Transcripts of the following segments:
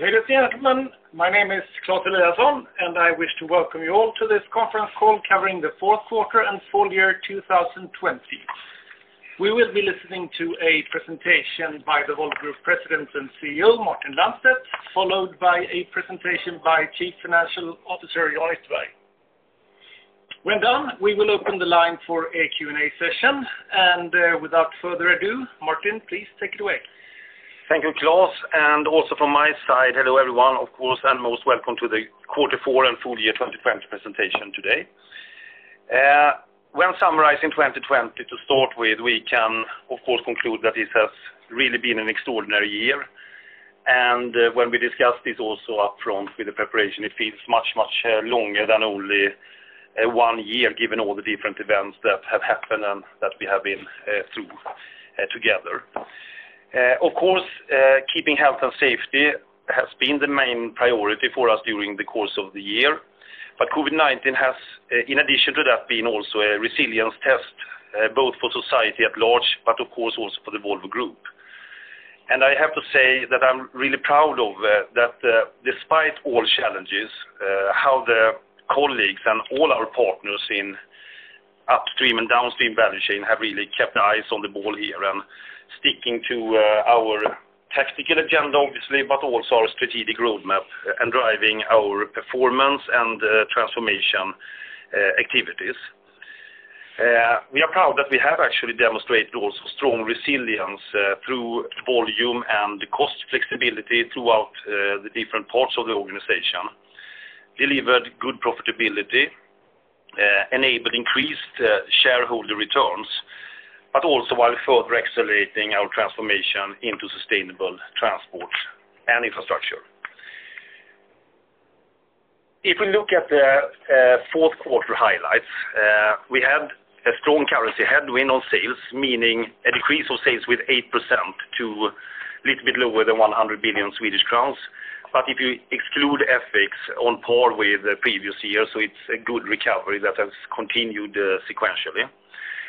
Ladies and gentlemen, my name is Claes Eliasson. I wish to welcome you all to this conference call covering the fourth quarter and full year 2020. We will be listening to a presentation by the Volvo Group President and CEO, Martin Lundstedt, followed by a presentation by Chief Financial Officer, Jan Ytterberg. When done, we will open the line for a Q&A session. Without further ado, Martin, please take it away. Thank you, Claes, and also from my side, hello, everyone, of course, and most welcome to the quarter four and full year 2020 presentation today. When summarizing 2020 to start with, we can, of course, conclude that this has really been an extraordinary year. When we discussed this also upfront with the preparation, it feels much longer than only one year, given all the different events that have happened and that we have been through together. Of course, keeping health and safety has been the main priority for us during the course of the year, but COVID-19 has, in addition to that, been also a resilience test, both for society at large, but of course also for the Volvo Group. I have to say that I'm really proud of that despite all challenges, how the colleagues and all our partners in upstream and downstream value chain have really kept their eyes on the ball here and sticking to our tactical agenda, obviously, but also our strategic roadmap and driving our performance and transformation activities. We are proud that we have actually demonstrated also strong resilience through volume and cost flexibility throughout the different parts of the organization, delivered good profitability, enabled increased shareholder returns, but also while further accelerating our transformation into sustainable transport and infrastructure. If we look at the fourth quarter highlights, we had a strong currency headwind on sales, meaning a decrease of sales with 8% to little bit lower than 100 billion Swedish crowns. If you exclude FX on par with the previous year, so it's a good recovery that has continued sequentially.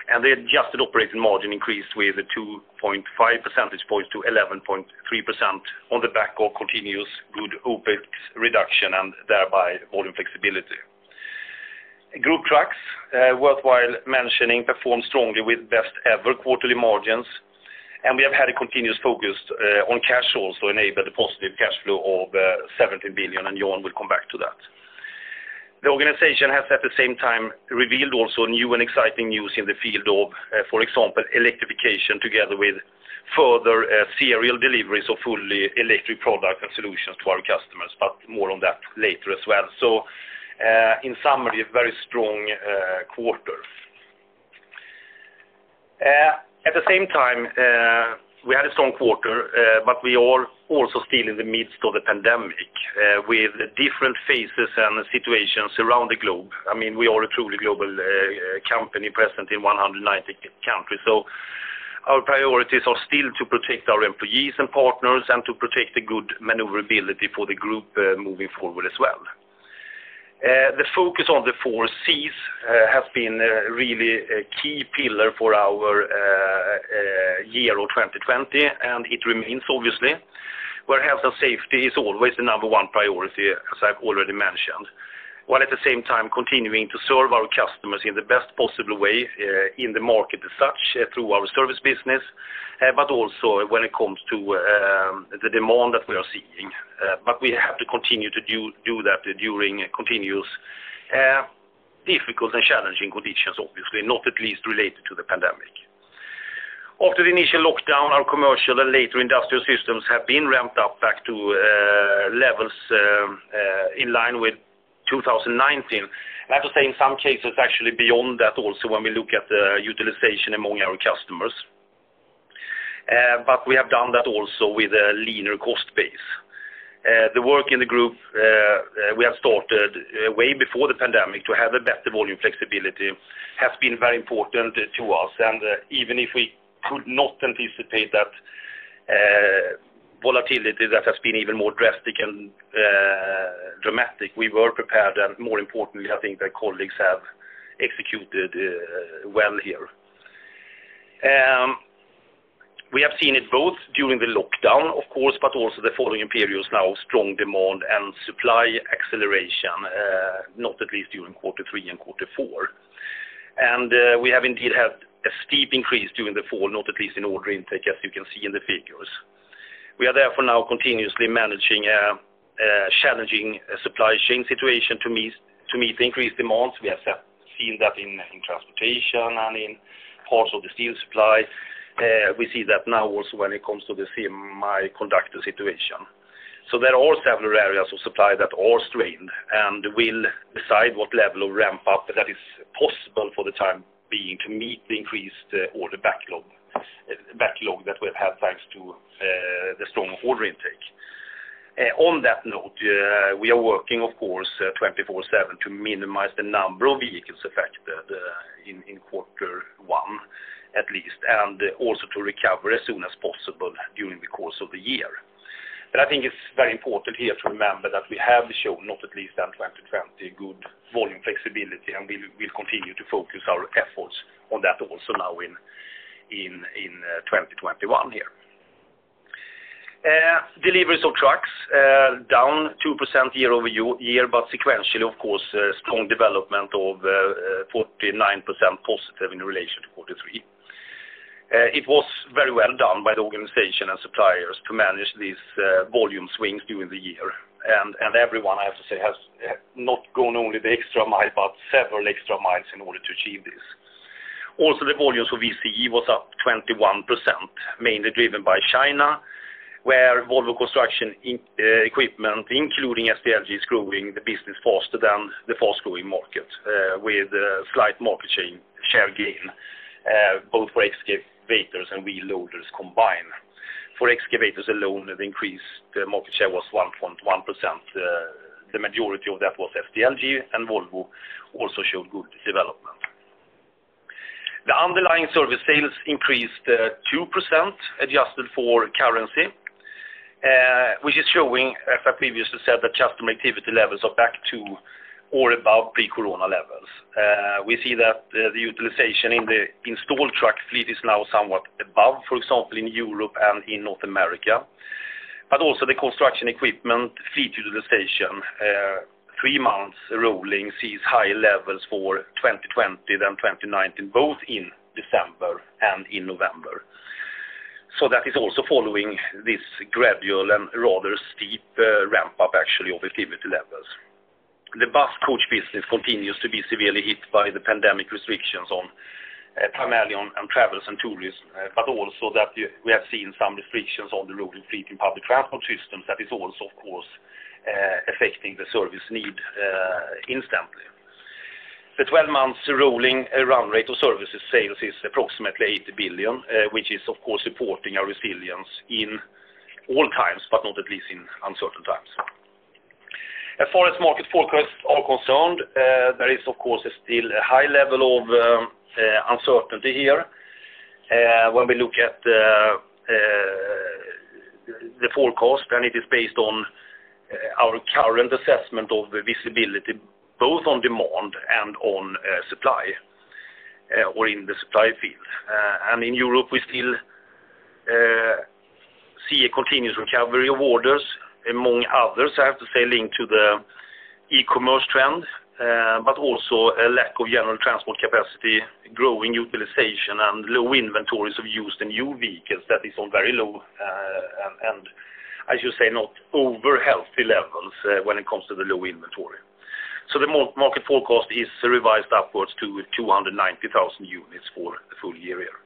The adjusted operating margin increased with 2.5 percentage points to 11.3% on the back of continuous good OpEx reduction and thereby volume flexibility. Group Trucks, worthwhile mentioning, performed strongly with best ever quarterly margins. We have had a continuous focus on cash also enable the positive cash flow of 17 billion. Jan will come back to that. The organization has, at the same time, revealed also new and exciting news in the field of, for example, electrification together with further serial deliveries of fully electric product and solutions to our customers, more on that later as well. In summary, a very strong quarter. At the same time, we had a strong quarter, we are also still in the midst of the pandemic, with different phases and situations around the globe. We are a truly global company present in 190 countries. Our priorities are still to protect our employees and partners and to protect the good maneuverability for the group moving forward as well. The focus on the four Cs has been really a key pillar for our year of 2020, and it remains obviously, where health and safety is always the number one priority, as I've already mentioned. While at the same time continuing to serve our customers in the best possible way in the market as such through our service business, but also when it comes to the demand that we are seeing. We have to continue to do that during continuous difficult and challenging conditions, obviously, not at least related to the pandemic. After the initial lockdown, our commercial and later industrial systems have been ramped up back to levels in line with 2019. I have to say, in some cases, actually beyond that also when we look at the utilization among our customers. We have done that also with a leaner cost base. The work in the group we have started way before the pandemic to have a better volume flexibility has been very important to us. Even if we could not anticipate that volatility that has been even more drastic and dramatic, we were prepared, and more importantly, I think the colleagues have executed well here. We have seen it both during the lockdown, of course, but also the following periods now of strong demand and supply acceleration, not at least during quarter three and quarter four. We have indeed had a steep increase during the fall, not at least in order intake, as you can see in the figures. We are therefore now continuously managing a challenging supply chain situation to meet increased demands. We have seen that in transportation and in parts of the steel supply. We see that now also when it comes to the semiconductor situation. There are several areas of supply that are strained, and we'll decide what level of ramp-up that is possible for the time being to meet the increased order backlog that we've had thanks to the strong order intake. On that note, we are working, of course, 24/7 to minimize the number of vehicles affected in quarter one at least, and also to recover as soon as possible during the course of the year. I think it's very important here to remember that we have shown, not at least in 2020, good volume flexibility, and we'll continue to focus our efforts on that also now in 2021 here. Deliveries of trucks are down 2% year-over-year, but sequentially, of course, strong development of +49% in relation to Q3. It was very well done by the organization and suppliers to manage these volume swings during the year. Everyone, I have to say, has not gone only the extra mile, but several extra miles in order to achieve this. Also, the volumes for VCE were up 21%, mainly driven by China, where Volvo Construction Equipment, including SDLG, is growing the business faster than the fast-growing market, with a slight market share gain, both for excavators and wheel loaders combined. For excavators alone, the increased market share was 1.1%. The majority of that was SDLG, Volvo also showed good development. The underlying service sales increased 2%, adjusted for currency, which is showing, as I previously said, that customer activity levels are back to or above pre-corona levels. We see that the utilization in the installed truck fleet is now somewhat above, for example, in Europe and in North America. Also the construction equipment fleet utilization, three months rolling, sees higher levels for 2020 than 2019, both in December and in November. That is also following this gradual and rather steep ramp-up, actually, of activity levels. The bus coach business continues to be severely hit by the pandemic restrictions on primarily on travels and tourism, but also that we have seen some restrictions on the road fleet in public transport systems. That is also, of course, affecting the service need instantly. The 12 months rolling run rate of services sales is approximately 80 billion, which is, of course, supporting our resilience in all times, but not at least in uncertain times. As far as market forecasts are concerned, there is, of course, still a high level of uncertainty here. When we look at the forecast, and it is based on our current assessment of the visibility, both on demand and on supply or in the supply field. In Europe, we still see a continuous recovery of orders, among others, I have to say, linked to the e-commerce trend, but also a lack of general transport capacity, growing utilization, and low inventories of used and new vehicles. That is on very low, and I should say not over healthy levels when it comes to the low inventory. The market forecast is revised upwards to 290,000 units for the full year here.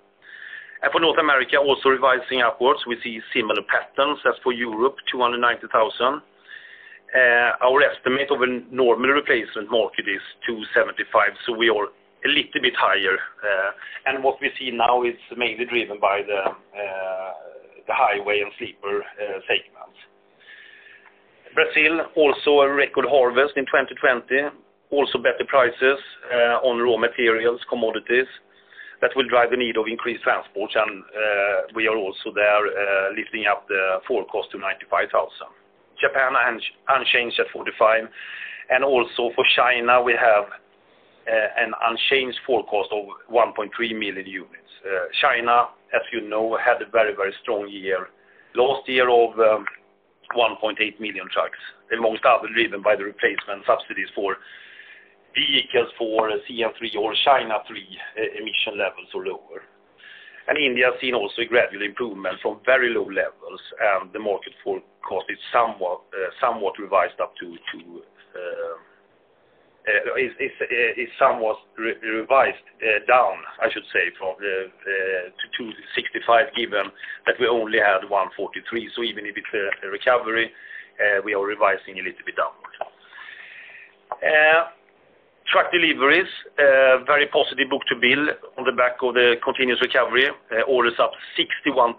For North America, also revising upwards, we see similar patterns as for Europe, 290,000. Our estimate of a normal replacement market is 275,000, so we are a little bit higher. What we see now is mainly driven by the highway and sleeper segments. Brazil, also a record harvest in 2020, also better prices on raw materials, commodities. That will drive the need of increased transport, and we are also there lifting up the forecast to 95,000. Japan unchanged at 45,000. Also for China, we have an unchanged forecast of 1.3 million units. China, as you know, had a very, very strong year. Last year of 1.8 million trucks, amongst others, driven by the replacement subsidies for vehicles for CN3 or China III emission levels or lower. India has seen also a gradual improvement from very low levels, and the market forecast is somewhat revised down, I should say, to 265,000, given that we only had 143,000. Even if it's a recovery, we are revising a little bit downward. Truck deliveries, very positive book to bill on the back of the continuous recovery. Orders up 61%,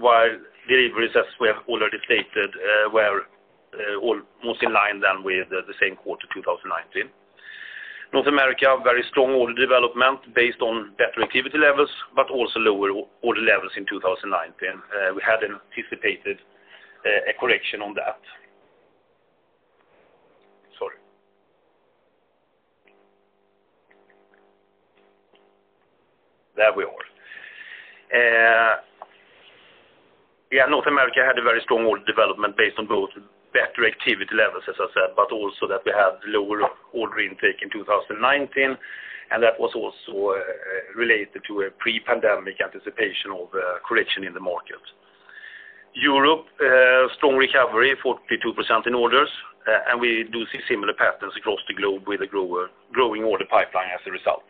while deliveries, as we have already stated, were almost in line then with the same quarter 2019. North America, very strong order development based on better activity levels, but also lower order levels in 2019. We had anticipated a correction on that. Sorry. There we are. Yeah, North America had a very strong order development based on both better activity levels, as I said, but also that we had lower order intake in 2019, and that was also related to a pre-pandemic anticipation of a correction in the market. Europe, strong recovery, 42% in orders. We do see similar patterns across the globe with a growing order pipeline as a result.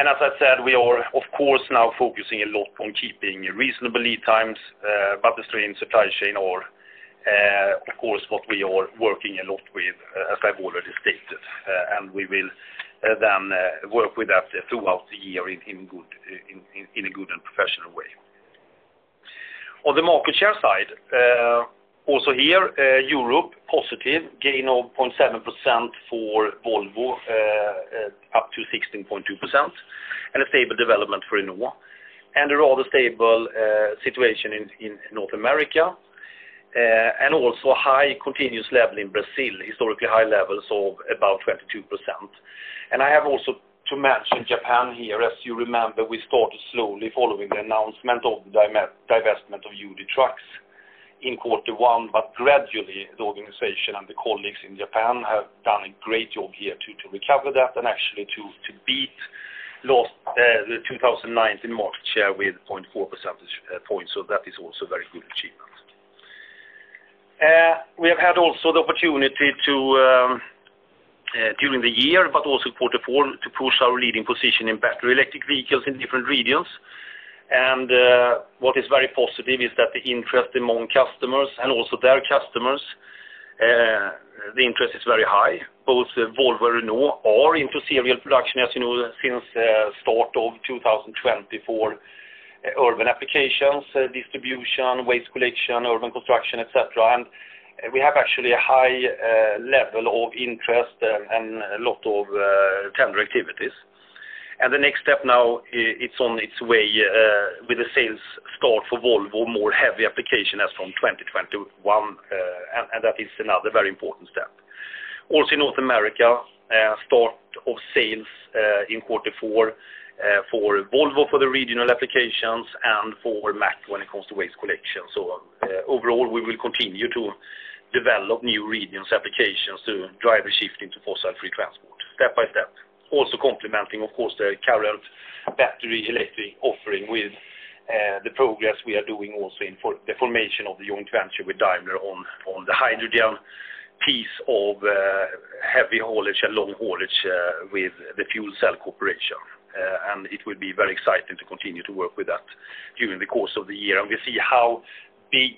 As I said, we are of course now focusing a lot on keeping reasonable lead times, but the strained supply chain or of course, what we are working a lot with, as I've already stated. We will then work with that throughout the year in a good and professional way. On the market share side. Also here, Europe positive, gain of 0.7% for Volvo, up to 16.2%, and a stable development for Renault. A rather stable situation in North America, and also high continuous level in Brazil, historically high levels of about 22%. I have also to mention Japan here. As you remember, we started slowly following the announcement of the divestment of UD Trucks in quarter one, but gradually, the organization and the colleagues in Japan have done a great job here to recover that and actually to beat the 2019 market share with 0.4 percentage points. That is also a very good achievement. We have had also the opportunity to, during the year, but also quarter four, to push our leading position in battery electric vehicles in different regions. What is very positive is that the interest among customers and also their customers, the interest is very high. Both Volvo and Renault are into serial production, as you know, since start of 2020 for urban applications, distribution, waste collection, urban construction, et cetera. We have actually a high level of interest there and a lot of tender activities. The next step now, it's on its way with the sales start for Volvo, more heavy application as from 2021, and that is another very important step. In North America, start of sales in Q4 for Volvo for the regional applications and for Mack when it comes to waste collection. Overall, we will continue to develop new regions, applications to drive the shift into fossil-free transport step by step. Complementing, of course, the current battery electric offering with the progress we are doing also in the formation of the joint venture with Daimler on the hydrogen piece of heavy haulage and long haulage with the fuel cell cooperation. It will be very exciting to continue to work with that during the course of the year, and we see how big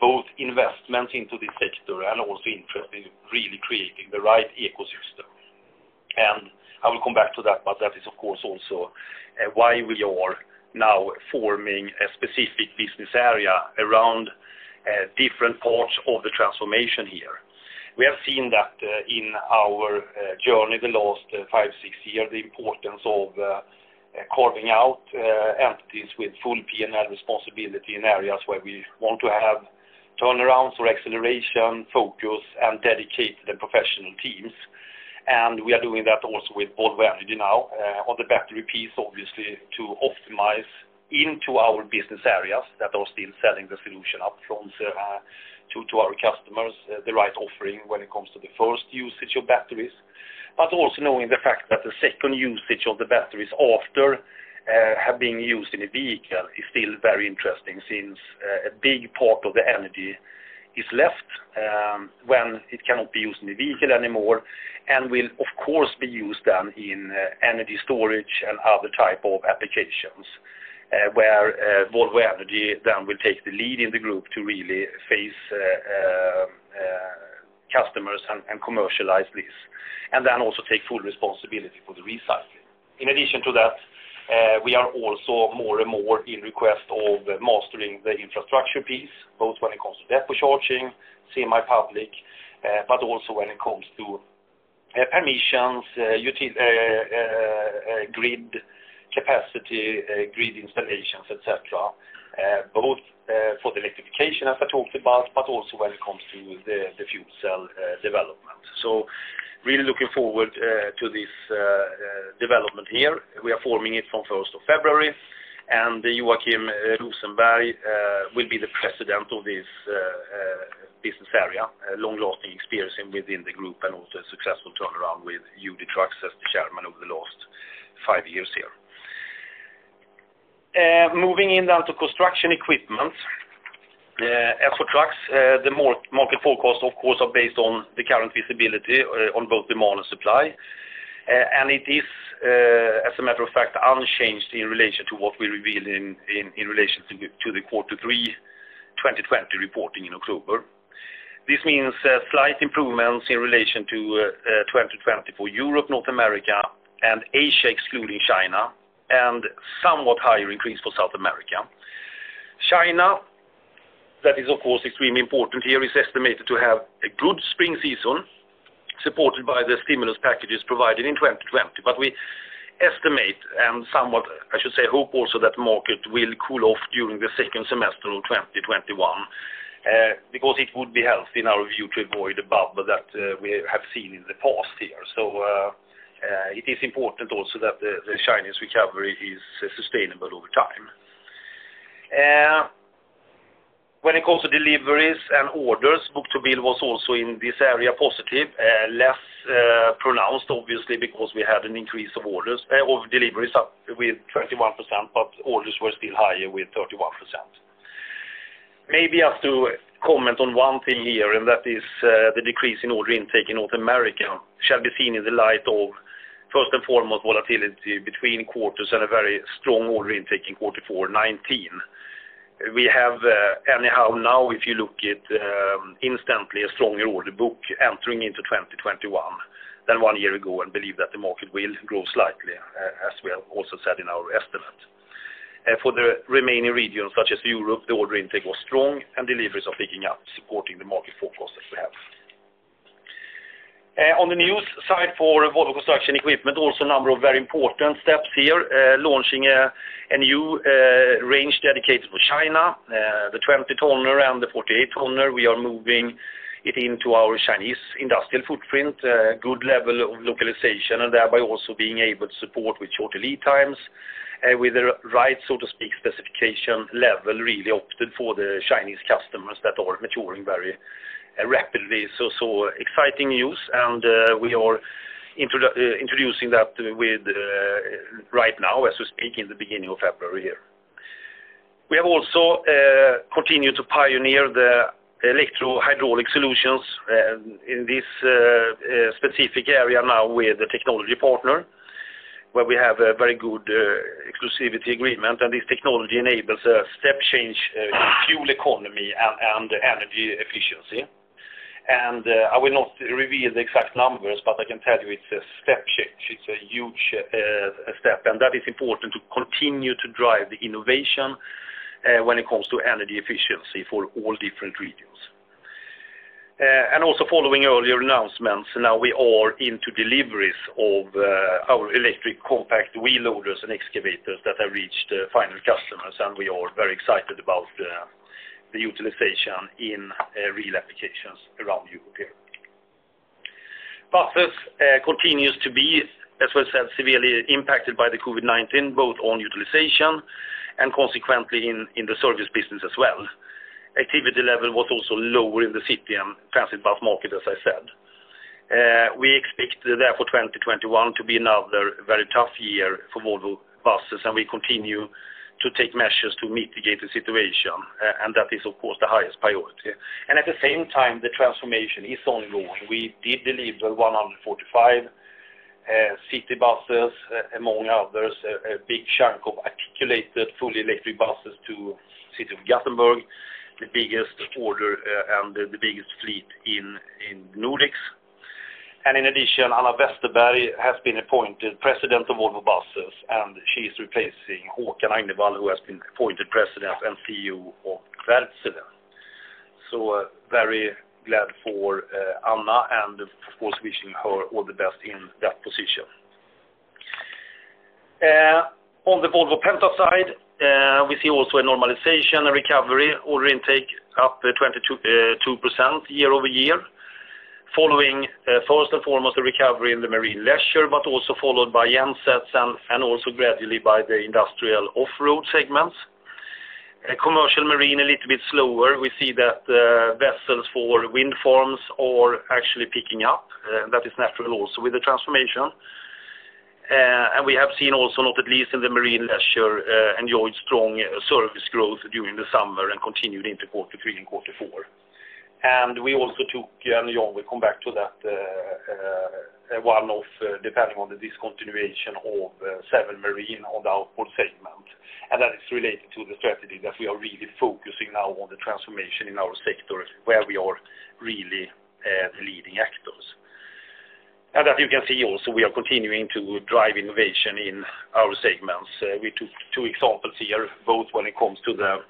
both investment into the sector and also interest in really creating the right ecosystem. I will come back to that, but that is of course also why we are now forming a specific business area around different parts of the transformation here. We have seen that in our journey the last five, six years, the importance of carving out entities with full P&L responsibility in areas where we want to have turnarounds or acceleration, focus, and dedicated and professional teams. We are doing that also with Volvo Energy now on the battery piece, obviously, to optimize into our business areas that are still selling the solution up front to our customers, the right offering when it comes to the first usage of batteries. Also knowing the fact that the second usage of the batteries after have been used in a vehicle is still very interesting, since a big part of the energy is left when it cannot be used in a vehicle anymore and will, of course, be used then in energy storage and other type of applications, where Volvo Energy then will take the lead in the Group to really face customers and commercialize this, and then also take full responsibility for the recycling. In addition to that, we are also more and more in request of mastering the infrastructure piece, both when it comes to depot charging, semi-public, but also when it comes to permissions, grid capacity, grid installations, et cetera, both for the electrification, as I talked about, but also when it comes to the fuel cell development. Really looking forward to this development here. We are forming it from 1st of February. Joachim Rosenberg will be the president of this business area. Long-lasting experience within the group and also a successful turnaround with UD Trucks as the chairman over the last five years here. Moving in now to construction equipment. As for trucks, the market forecast, of course, are based on the current visibility on both demand and supply. It is, as a matter of fact, unchanged in relation to what we revealed in relation to the Q3 2020 reporting in October. This means slight improvements in relation to 2020 for Europe, North America, and Asia, excluding China, and somewhat higher increase for South America. China, that is, of course, extremely important here, is estimated to have a good spring season supported by the stimulus packages provided in 2020. We estimate and somewhat, I should say, hope also that market will cool off during the second semester of 2021, because it would be healthy in our view to avoid the bubble that we have seen in the past here. It is important also that the Chinese recovery is sustainable over time. When it comes to deliveries and orders, book to bill was also in this area positive, less pronounced obviously because we had an increase of deliveries up with 21%, but orders were still higher with 31%. Maybe I have to comment on one thing here, and that is the decrease in order intake in North America shall be seen in the light of, first and foremost, volatility between quarters and a very strong order intake in quarter four 2019. We have anyhow now, if you look at instantly, a stronger order book entering into 2021 than one year ago, and believe that the market will grow slightly, as we have also said in our estimate. For the remaining regions, such as Europe, the order intake was strong and deliveries are picking up, supporting the market forecast that we have. On the news side for Volvo Construction Equipment, also a number of very important steps here, launching a new range dedicated for China, the 20-tonner and the 48-tonner. We are moving it into our Chinese industrial footprint, good level of localization, and thereby also being able to support with short lead times and with the right sort of specification level really opted for the Chinese customers that are maturing very rapidly. Exciting news, and we are introducing that right now as we speak in the beginning of February here. We have also continued to pioneer the electro-hydraulic solutions in this specific area now with a technology partner, where we have a very good exclusivity agreement, and this technology enables a step change in fuel economy and energy efficiency. I will not reveal the exact numbers, but I can tell you it's a step change. It's a huge step, and that is important to continue to drive innovation when it comes to energy efficiency for all different regions. Also following earlier announcements, now we are into deliveries of our electric compact wheel loaders and excavators that have reached final customers, and we are very excited about the utilization in real applications around Europe here. Buses continues to be, as I said, severely impacted by the COVID-19, both on utilization and consequently in the service business as well. Activity level was also lower in the city and transit bus market, as I said. We expect therefore 2021 to be another very tough year for Volvo Buses, and we continue to take measures to mitigate the situation, and that is, of course, the highest priority. At the same time, the transformation is ongoing. We did deliver 145 city buses, among others, a big chunk of articulated fully electric buses to city of Gothenburg, the biggest order and the biggest fleet in Nordics. In addition, Anna Westerberg has been appointed President of Volvo Buses, and she is replacing Håkan Agnevall, who has been appointed President and CEO of Wärtsilä. Very glad for Anna and of course, wishing her all the best in that position. On the Volvo Penta side, we see also a normalization, a recovery, order intake up 22% year-over-year, following first and foremost the recovery in the marine leisure, also followed by gensets and also gradually by the industrial off-road segments. Commercial marine a little bit slower. We see that vessels for wind farms are actually picking up. That is natural also with the transformation. We have seen also, not at least in the marine leisure, enjoyed strong service growth during the summer and continued into quarter three and quarter four. We also took, and Jan will come back to that, one-off, depending on the discontinuation of Seven Marine on the outboard segment. That is related to the strategy that we are really focusing now on the transformation in our sectors where we are really the leading actors. As you can see also, we are continuing to drive innovation in our segments. We took two examples here, both when it comes to the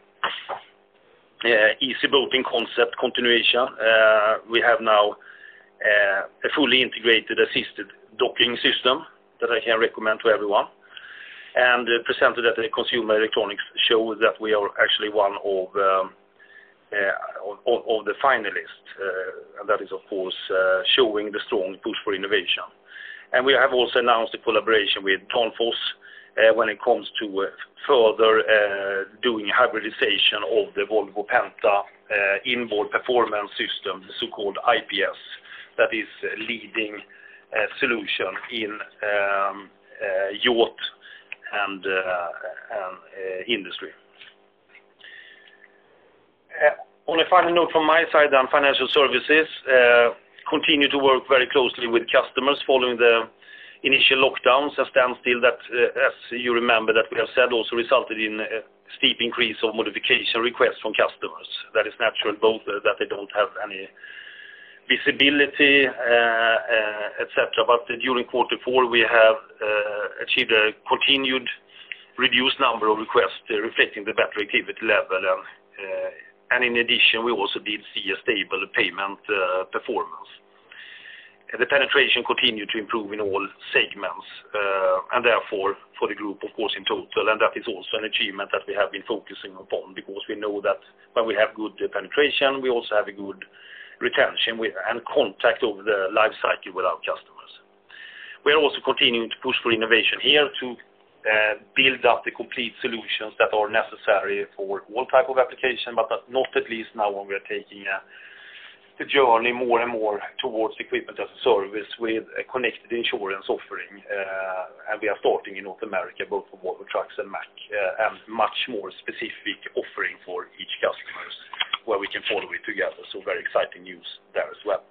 easy boating concept continuation. We have now a fully integrated Assisted Docking system that I can recommend to everyone, and presented at a Consumer Electronics Show that we are actually one of the finalists. That is, of course, showing the strong push for innovation. We have also announced a collaboration with Danfoss when it comes to further doing hybridization of the Volvo Penta Inboard Performance System, the so-called IPS, that is leading solution in yacht and industry. On a final note from my side on financial services, continue to work very closely with customers following the initial lockdowns, a standstill that, as you remember, that we have said also resulted in a steep increase of modification requests from customers. That is natural, both that they don't have any visibility, et cetera. During quarter four, we have achieved a continued reduced number of requests reflecting the better activity level. In addition, we also did see a stable payment performance. The penetration continued to improve in all segments, and therefore for the group, of course, in total. That is also an achievement that we have been focusing upon because we know that when we have good penetration, we also have a good retention and contact over the life cycle with our customers. We are also continuing to push for innovation here to build up the complete solutions that are necessary for all type of application, but not at least now when we are taking the journey more and more towards equipment as a service with a connected insurance offering. We are starting in North America, both for Volvo Trucks and Mack, and much more specific offering for each customers where we can follow it together. Very exciting news there as well.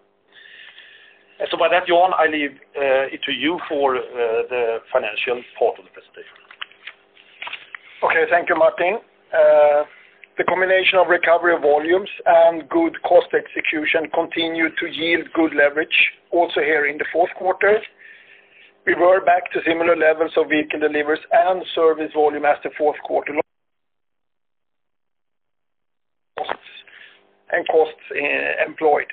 With that, Jan, I leave it to you for the financial part of the presentation. Okay. Thank you, Martin. The combination of recovery of volumes and good cost execution continued to yield good leverage also here in the fourth quarter. We were back to similar levels of vehicle deliveries and service volume as the fourth quarter costs and costs employed,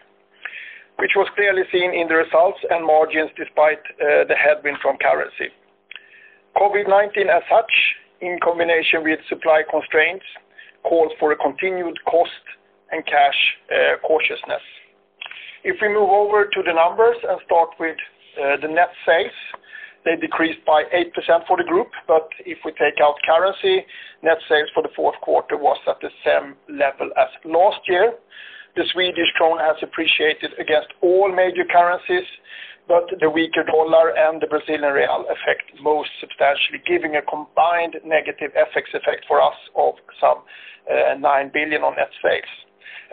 which was clearly seen in the results and margins despite the headwind from currency. COVID-19 as such, in combination with supply constraints, calls for a continued cost and cash cautiousness. If we move over to the numbers and start with the net sales, they decreased by 8% for the group. If we take out currency, net sales for the fourth quarter was at the same level as last year. The Swedish krona has appreciated against all major currencies, but the weaker dollar and the Brazilian real affect most substantially, giving a combined negative FX effect for us of some 9 billion on net sales.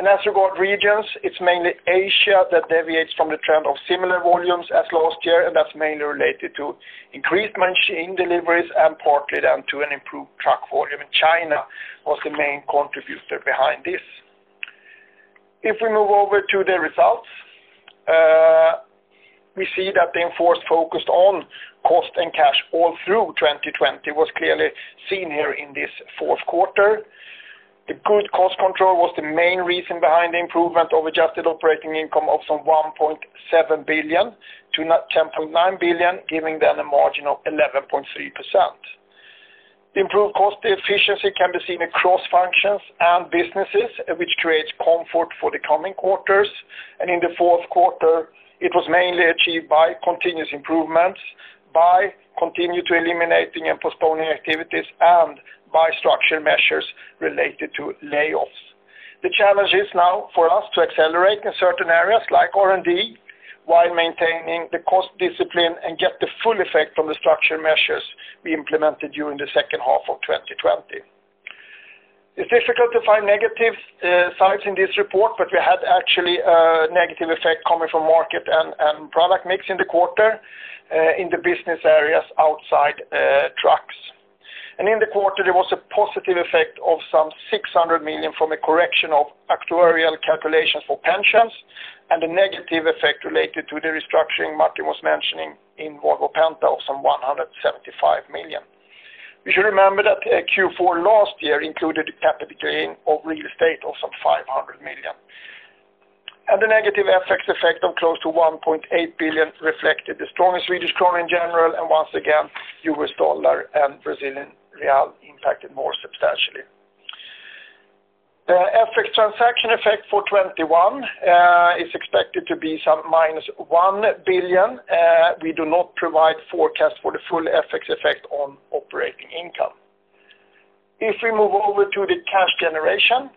As regard regions, it's mainly Asia that deviates from the trend of similar volumes as last year, that's mainly related to increased machine deliveries and partly then to an improved truck volume, China was the main contributor behind this. If we move over to the results, we see that the enforced focus on cost and cash all through 2020 was clearly seen here in this fourth quarter. The good cost control was the main reason behind the improvement of adjusted operating income of some 1.7 billion to 10.9 billion, giving then a margin of 11.3%. Improved cost efficiency can be seen across functions and businesses, which creates comfort for the coming quarters. In the fourth quarter, it was mainly achieved by continuous improvements, by continue to eliminating and postponing activities, and by structure measures related to layoffs. The challenge is now for us to accelerate in certain areas like R&D while maintaining the cost discipline and get the full effect on the structure measures we implemented during the second half of 2020. It's difficult to find negative sides in this report. We had actually a negative effect coming from market and product mix in the quarter, in the business areas outside trucks. In the quarter, there was a positive effect of some 600 million from a correction of actuarial calculations for pensions and a negative effect related to the restructuring Martin was mentioning in Volvo Penta of some 175 million. You should remember that Q4 last year included a capital gain of real estate of some 500 million. The negative FX effect of close to 1.8 billion reflected the strong Swedish krona in general, and once again, US dollar and Brazilian real impacted more substantially. The FX transaction effect for 2021 is expected to be some -1 billion. We do not provide forecast for the full FX effect on operating income. If we move over to the cash generation,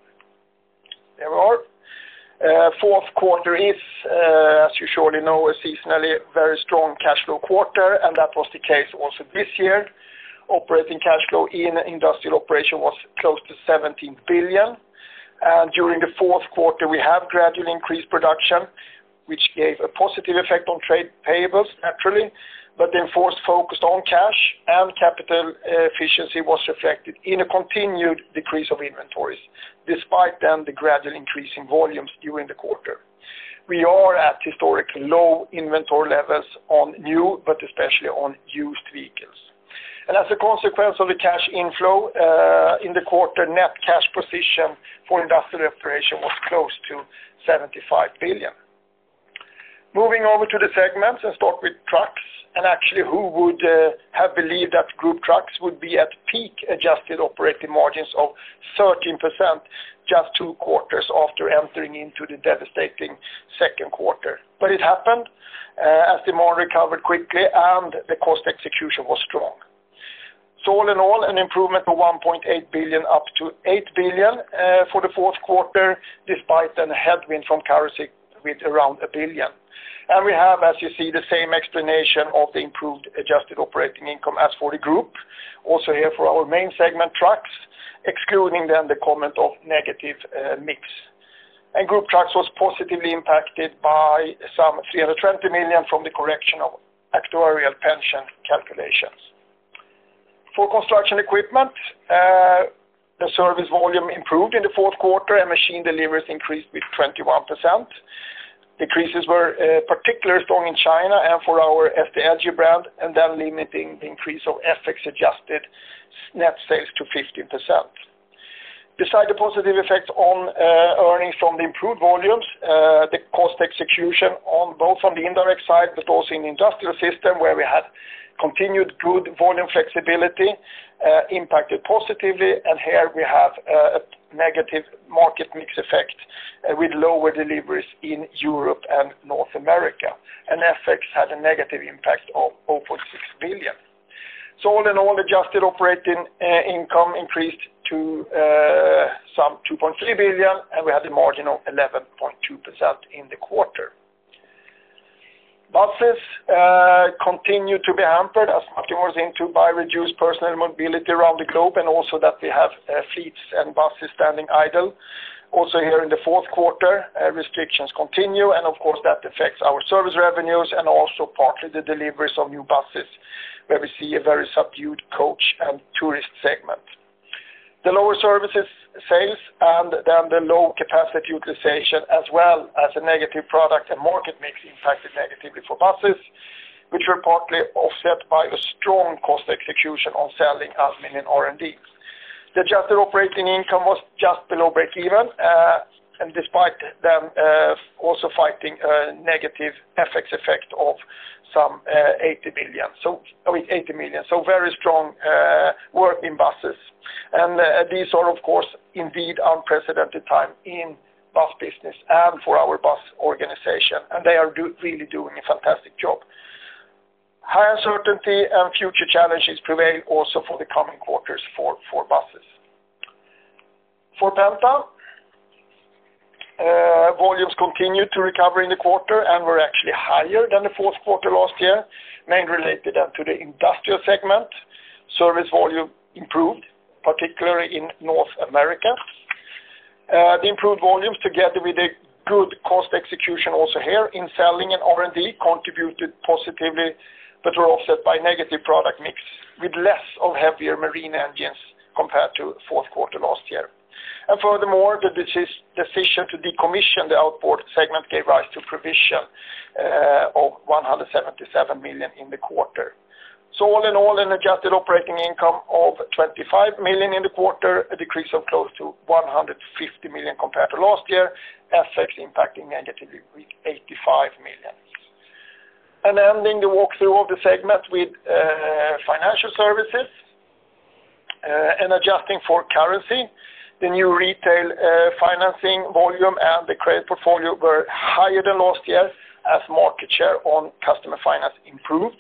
there we are. Fourth quarter is, as you surely know, a seasonally very strong cash flow quarter, and that was the case also this year. Operating cash flow in industrial operation was close to 17 billion. During the fourth quarter, we have gradually increased production, which gave a positive effect on trade payables, naturally. The enforced focus on cash and capital efficiency was reflected in a continued decrease of inventories, despite then the gradual increase in volumes during the quarter. We are at historically low inventory levels on new, but especially on used vehicles. As a consequence of the cash inflow, in the quarter, net cash position for industrial operation was close to 75 billion. Moving over to the segments, let's start with trucks. Who would have believed that Group Trucks would be at peak-adjusted operating margins of 13% just two quarters after entering into the devastating second quarter. It happened, as demand recovered quickly and the cost execution was strong. All in all, an improvement of 1.8 billion up to 8 billion for the fourth quarter, despite a headwind from currency with around 1 billion. We have, as you see, the same explanation of the improved adjusted operating income as for the group, also here for our main segment trucks, excluding the comment of negative mix. Group Trucks was positively impacted by some 320 million from the correction of actuarial pension calculations. For construction equipment, the service volume improved in the fourth quarter, and machine deliveries increased with 21%. Increases were particularly strong in China and for our SDLG brand and then limiting the increase of FX-adjusted net sales to 15%. Besides the positive effects on earnings from the improved volumes, the cost execution both on the indirect side, but also in the industrial system where we had continued good volume flexibility, impacted positively. Here we have a negative market mix effect with lower deliveries in Europe and North America, and FX had a negative impact of 0.6 billion. All in all, adjusted operating income increased to some 2.3 billion, and we had a margin of 11.2% in the quarter. Buses continued to be hampered, as Martin was saying too, by reduced personal mobility around the globe and also that we have fleets and buses standing idle. Also here in the fourth quarter, restrictions continue, and of course, that affects our service revenues and also partly the deliveries of new buses, where we see a very subdued coach and tourist segment. The lower services sales and then the low capacity utilization, as well as a negative product and market mix impacted negatively for buses, which were partly offset by a strong cost execution on selling, administration, and R&D. The adjusted operating income was just below breakeven, and despite them also fighting a negative FX effect of some 80 million. Very strong work in buses. These are, of course, indeed unprecedented time in bus business and for our bus organization, and they are really doing a fantastic job. High uncertainty and future challenges prevail also for the coming quarters for buses. For Penta, volumes continued to recover in the quarter and were actually higher than the fourth quarter last year, mainly related to the industrial segment. Service volume improved, particularly in North America. The improved volumes, together with the good cost execution also here in selling and R&D, contributed positively, but were offset by negative product mix with less of heavier marine engines compared to fourth quarter last year. Furthermore, the decision to decommission the outboard segment gave rise to provision of 177 million in the quarter. All in all, an adjusted operating income of 25 million in the quarter, a decrease of close to 150 million compared to last year, FX impacting negatively with 85 million. Ending the walkthrough of the segment with financial services and adjusting for currency, the new retail financing volume and the credit portfolio were higher than last year, as market share on customer finance improved.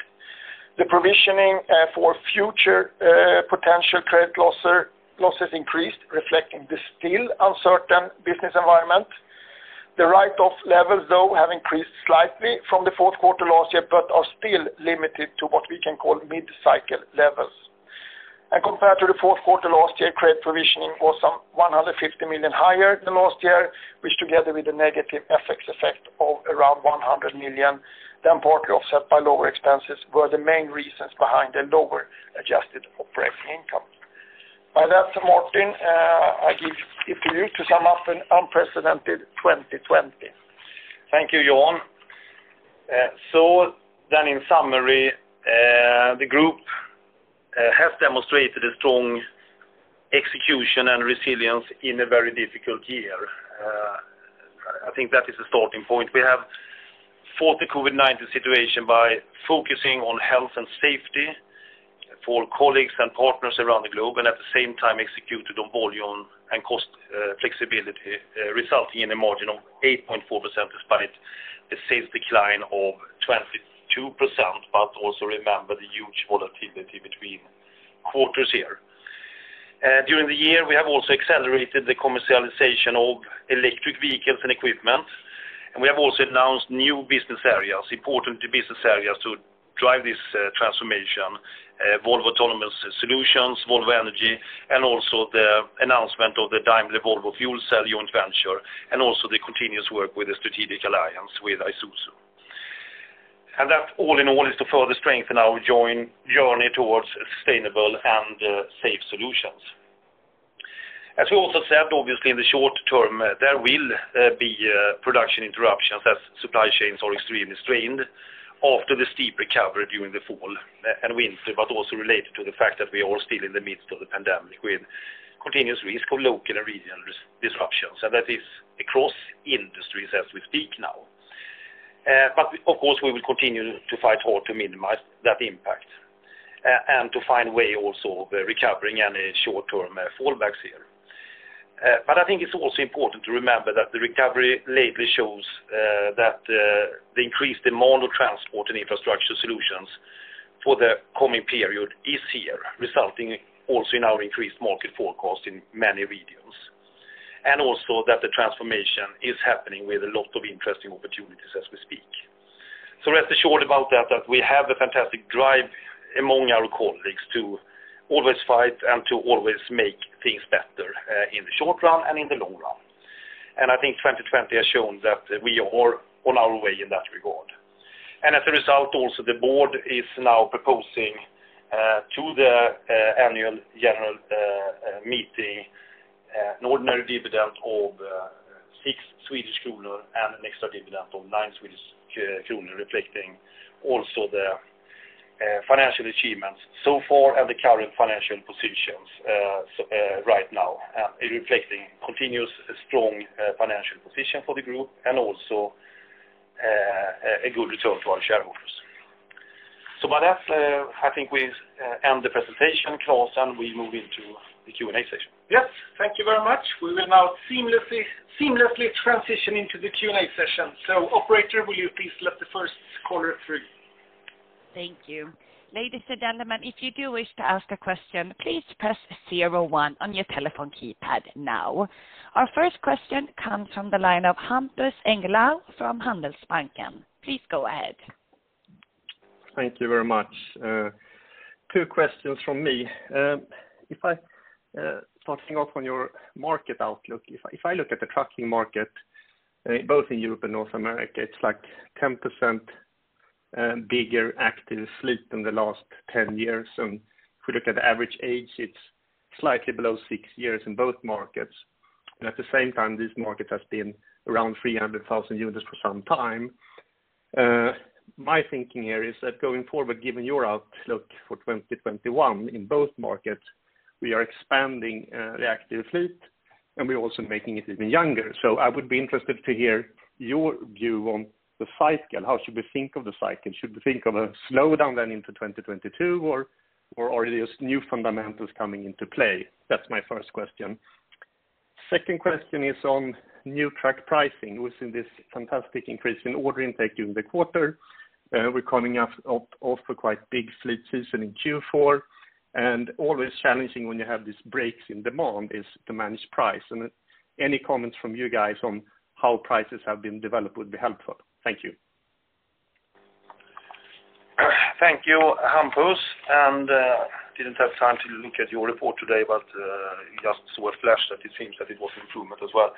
The provisioning for future potential credit losses increased, reflecting the still uncertain business environment. The write-off levels, though, have increased slightly from the fourth quarter last year, but are still limited to what we can call mid-cycle levels. Compared to the fourth quarter last year, credit provisioning was some 150 million higher than last year, which together with the negative FX effect of around 100 million, then partly offset by lower expenses, were the main reasons behind the lower adjusted operating income. By that, Martin, I give it to you to sum up an unprecedented 2020. Thank you, Jan. In summary, the group has demonstrated a strong execution and resilience in a very difficult year. I think that is a starting point. We have fought the COVID-19 situation by focusing on health and safety for colleagues and partners around the globe, and at the same time executed on volume and cost flexibility, resulting in a margin of 8.4%, despite the sales decline of 22%, but also remember the huge volatility between quarters here. During the year, we have also accelerated the commercialization of electric vehicles and equipment, and we have also announced new business areas, important business areas to drive this transformation, Volvo Autonomous Solutions, Volvo Energy, and also the announcement of the Daimler-Volvo fuel cell joint venture, and also the continuous work with the strategic alliance with Isuzu. That all in all is to further strengthen our joint journey towards sustainable and safe solutions. As we also said, obviously in the short term, there will be production interruptions as supply chains are extremely strained after the steep recovery during the fall and winter, but also related to the fact that we are still in the midst of the pandemic with continuous risk for local and regional disruptions. That is across industries as we speak now. Of course, we will continue to fight hard to minimize that impact, and to find way also of recovering any short-term fallbacks here. I think it's also important to remember that the recovery lately shows that the increased demand of transport and infrastructure solutions for the coming period is here, resulting also in our increased market forecast in many regions. Also, that the transformation is happening with a lot of interesting opportunities as we speak. Rest assured about that we have a fantastic drive among our colleagues to always fight and to always make things better, in the short run and in the long run. I think 2020 has shown that we are on our way in that regard. As a result, also, the board is now proposing to the annual general meeting, an ordinary dividend of 6 Swedish kronor and an extra dividend of 9 Swedish kronor, reflecting also the financial achievements so far and the current financial positions right now, reflecting continuous strong financial position for the group and also a good return to our shareholders. By that, I think we end the presentation, Claes, and we move into the Q&A session. Yes. Thank you very much. We will now seamlessly transition into the Q&A session. Operator, will you please let the first caller through? Thank you. Ladies and gentlemen, if you do wish to ask a question, please press zero one on your telephone keypad now. Our first question comes from the line of Hampus Engellau from Handelsbanken. Please go ahead. Thank you very much. Two questions from me. Starting off on your market outlook, if I look at the trucking market, both in Europe and North America, it's 10% bigger active fleet in the last 10 years. If we look at the average age, it's slightly below six years in both markets. At the same time, this market has been around 300,000 units for some time. My thinking here is that going forward, given your outlook for 2021 in both markets, we are expanding the active fleet, and we're also making it even younger. I would be interested to hear your view on the cycle. How should we think of the cycle? Should we think of a slowdown then into 2022, or are these new fundamentals coming into play? That's my first question. Second question is on new truck pricing. We've seen this fantastic increase in order intake during the quarter. We're coming off a quite big fleet season in Q4. Always challenging when you have these breaks in demand is to manage price. Any comments from you guys on how prices have been developed would be helpful. Thank you. Thank you, Hampus. Didn't have time to look at your report today, but just saw a flash that it seems that it was improvement as well.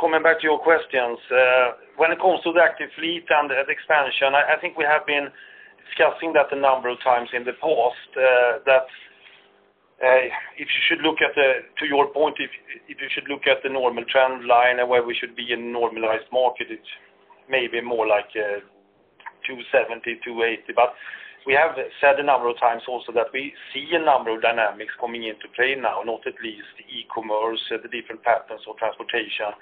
Coming back to your questions, when it comes to the active fleet and expansion, I think we have been discussing that a number of times in the past. To your point, if you should look at the normal trend line and where we should be in normalized market, it's maybe more like 270,000, 280,000. We have said a number of times also that we see a number of dynamics coming into play now, not at least e-commerce, the different patterns of transportation,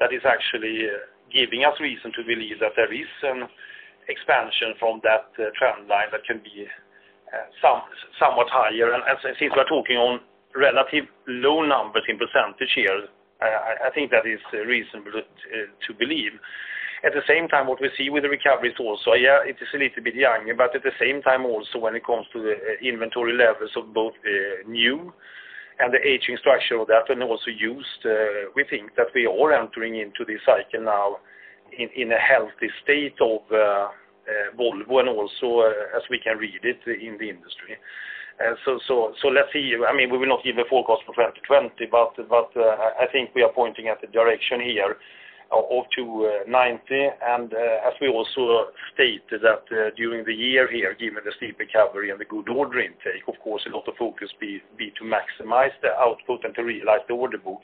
that is actually giving us reason to believe that there is an expansion from that trend line that can be somewhat higher. Since we are talking on relative low numbers in percentage, I think that is reasonable to believe. At the same time, what we see with the recovery is also, yeah, it is a little bit young, but at the same time also when it comes to the inventory levels of both new and the aging structure of that and also used, we think that we are entering into this cycle now in a healthy state of Volvo, and also as we can read it in the industry. Let's see. We will not give a forecast for 2020, but I think we are pointing at the direction here of 290,000. As we also stated that during the year here, given the steep recovery and the good order intake, of course a lot of focus be to maximize the output and to realize the order book.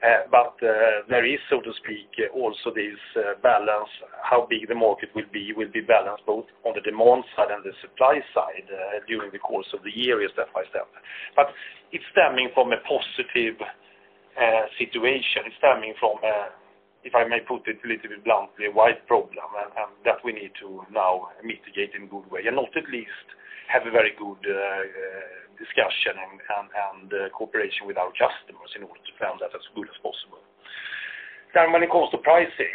There is, so to speak, also this balance, how big the market will be balanced both on the demand side and the supply side during the course of the year, step by step. It's stemming from a positive situation. It's stemming from, if I may put it a little bit bluntly, a wide problem, and that we need to now mitigate in good way and not least have a very good discussion and cooperation with our customers in order to plan that as good as possible. When it comes to pricing,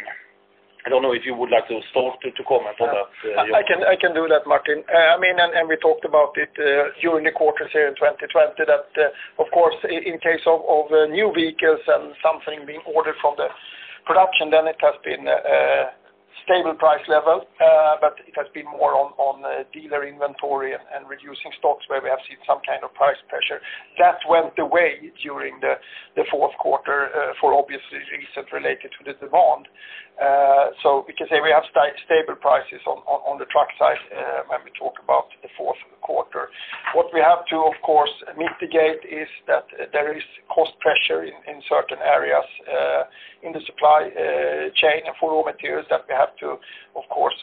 I don't know if you would like to start to comment on that, Jan. I can do that, Martin. We talked about it during the quarters here in 2020 that, of course, in case of new vehicles and something being ordered from the production, then it has been a stable price level, but it has been more on dealer inventory and reducing stocks where we have seen some kind of price pressure. That went away during the fourth quarter for obvious reasons related to the demand. We can say we have stable prices on the truck side when we talk about the fourth quarter. What we have to, of course, mitigate is that there is cost pressure in certain areas in the supply chain for raw materials that we have to, of course,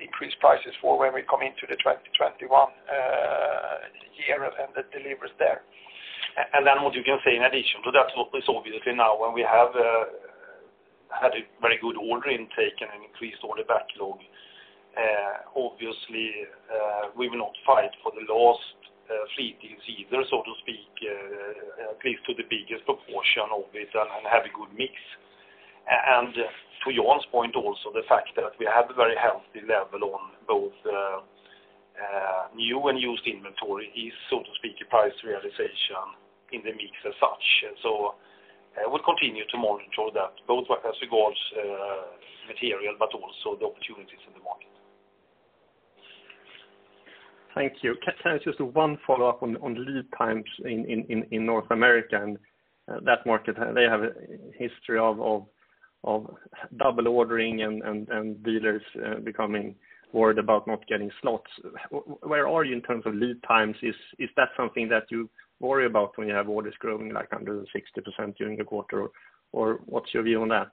increase prices for when we come into the 2021 year and the deliveries there. What you can say in addition to that, what is obviously now, when we have had a very good order intake and increased order backlog, obviously, we will not fight for the last fleet deal either, so to speak, give to the biggest proportion of it and have a good mix. To Jan's point also, the fact that we have a very healthy level on both new and used inventory is, so to speak, a price realization in the mix as such. We continue to monitor that, both as regards material, but also the opportunities in the market. Thank you. Can I ask just one follow-up on lead times in North America and that market? They have a history of double ordering and dealers becoming worried about not getting slots. Where are you in terms of lead times? Is that something that you worry about when you have orders growing 160% during the quarter? What's your view on that?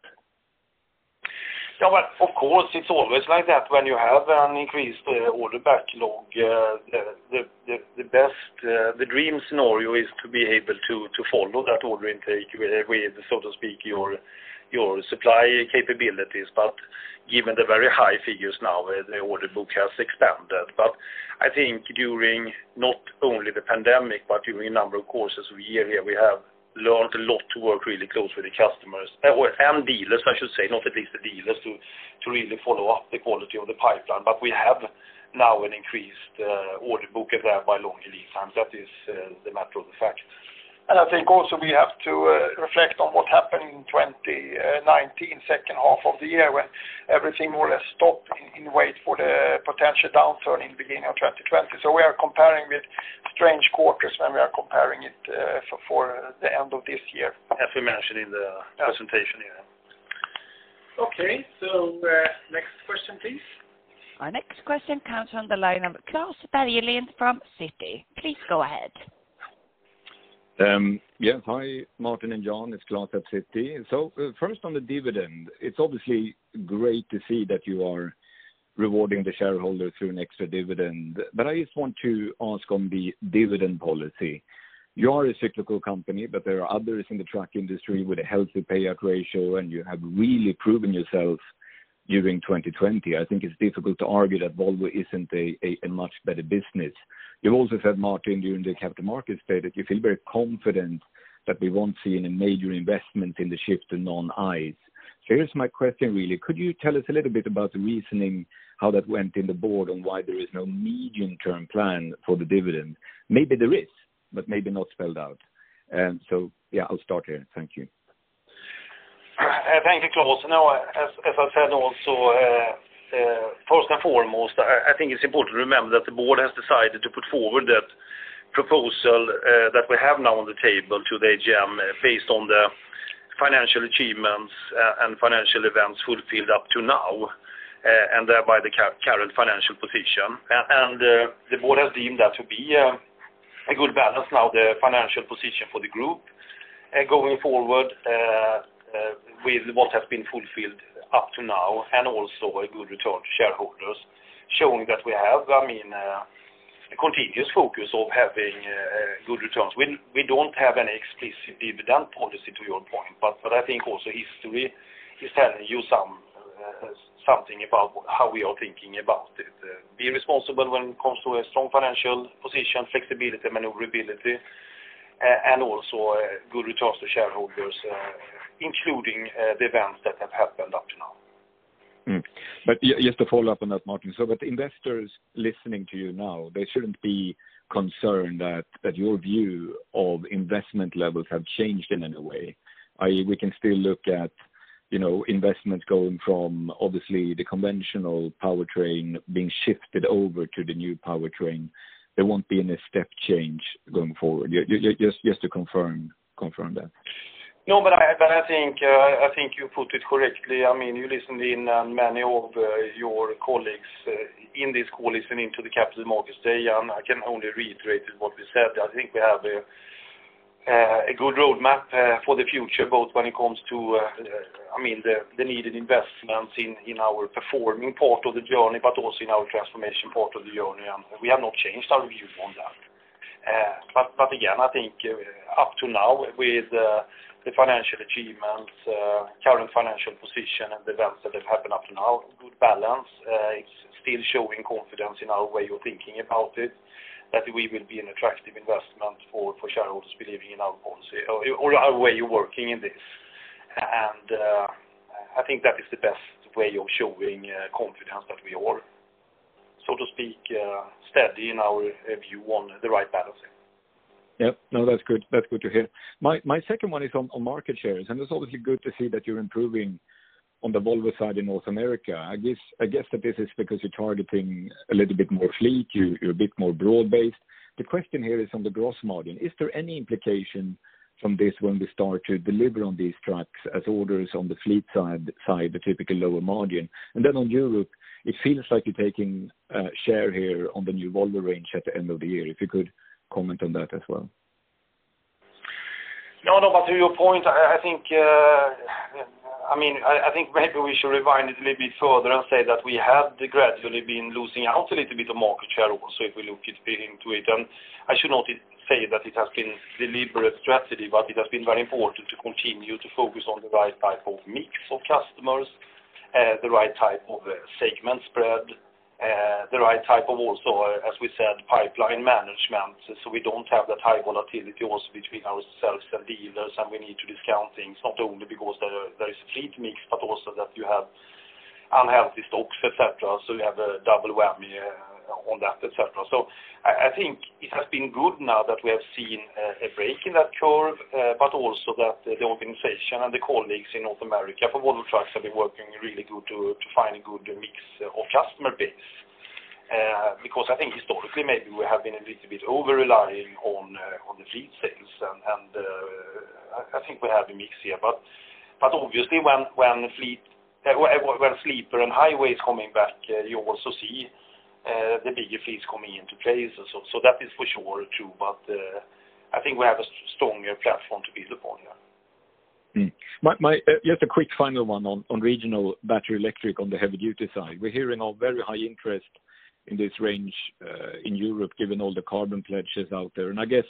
Yeah, of course, it's always like that when you have an increased order backlog. The dream scenario is to be able to follow that order intake with, so to speak, your supply capabilities. Given the very high figures now, the order book has expanded. I think during not only the pandemic, but during a number of courses we have here, we have learned a lot to work really close with the customers and dealers, I should say, not at least the dealers, to really follow up the quality of the pipeline. We have now an increased order book, and thereby long lead times. That is the matter of the fact. I think also we have to reflect on what happened in 2019, second half of the year, when everything more or less stopped in wait for the potential downturn in the beginning of 2020. We are comparing with strange quarters, and we are comparing it for the end of this year. As we mentioned in the presentation, yeah. Okay. Next question, please. Our next question comes from the line of Klas Bergelind from Citi. Please go ahead. Hi, Martin and Jan, it's Klas at Citi. First, on the dividend, it's obviously great to see that you are rewarding the shareholder through an extra dividend. I just want to ask on the dividend policy. You are a cyclical company, but there are others in the truck industry with a healthy payout ratio, and you have really proven yourself during 2020. I think it's difficult to argue that Volvo isn't a much better business. You also said, Martin, during the Capital Markets Day, that you feel very confident that we won't see any major investment in the shift to non-ICE. Here's my question, really. Could you tell us a little bit about the reasoning, how that went in the board, and why there is no medium-term plan for the dividend? Maybe there is, but maybe not spelled out. I'll start here. Thank you. Thank you, Klas. As I said also, first and foremost, I think it's important to remember that the board has decided to put forward that proposal that we have now on the table to the AGM based on the financial achievements and financial events fulfilled up to now, and thereby the current financial position. The board has deemed that to be a good balance now, the financial position for the group. Going forward, with what has been fulfilled up to now and also a good return to shareholders, showing that we have a continuous focus of having good returns. We don't have any explicit dividend policy to your point, but I think also history is telling you something about how we are thinking about it. Be responsible when it comes to a strong financial position, flexibility, maneuverability, and also good returns to shareholders, including the events that have happened up to now. Just to follow up on that, Martin. With investors listening to you now, they shouldn't be concerned that your view of investment levels have changed in any way. We can still look at investment going from obviously the conventional powertrain being shifted over to the new powertrain. There won't be any step change going forward. Just to confirm that. I think you put it correctly. You listened in on many of your colleagues in this call listening to the Capital Markets Day. I can only reiterate what we said. I think we have a good roadmap for the future, both when it comes to the needed investments in our performing part of the journey, also in our transformation part of the journey. We have not changed our view on that. Again, I think up to now with the financial achievements, current financial position, and events that have happened up to now, good balance. It's still showing confidence in our way of thinking about it, that we will be an attractive investment for shareholders believing in our policy or our way of working in this. I think that is the best way of showing confidence that we are, so to speak, steady in our view on the right balancing. Yep. No, that's good to hear. My second one is on market shares, and it's obviously good to see that you're improving on the Volvo side in North America. I guess that this is because you're targeting a little bit more fleet, you're a bit more broad-based. The question here is on the gross margin. Is there any implication from this when we start to deliver on these trucks as orders on the fleet side, the typical lower margin? On Europe, it feels like you're taking a share here on the new Volvo range at the end of the year. If you could comment on that as well. No, to your point, I think maybe we should rewind it a little bit further and say that we have gradually been losing out a little bit of market share also, if we look into it. I should not say that it has been deliberate strategy, but it has been very important to continue to focus on the right type of mix of customers, the right type of segment spread, the right type of also, as we said, pipeline management. We don't have that high volatility also between ourselves and dealers, and we need to discount things not only because there is fleet mix, but also that you have unhealthy stocks, et cetera. You have a double whammy on that, et cetera. I think it has been good now that we have seen a break in that curve, but also that the organization and the colleagues in North America for Volvo Trucks have been working really good to find a good mix of customer base. I think historically, maybe we have been a little bit over-reliant on the fleet sales, and I think we have a mix here. Obviously when sleeper and highway is coming back, you also see the bigger fleets coming into place. That is for sure, too, but I think we have a stronger platform to build upon, yeah. Just a quick final one on regional battery electric on the heavy-duty side. We're hearing of very high interest in this range in Europe, given all the carbon pledges out there. I guess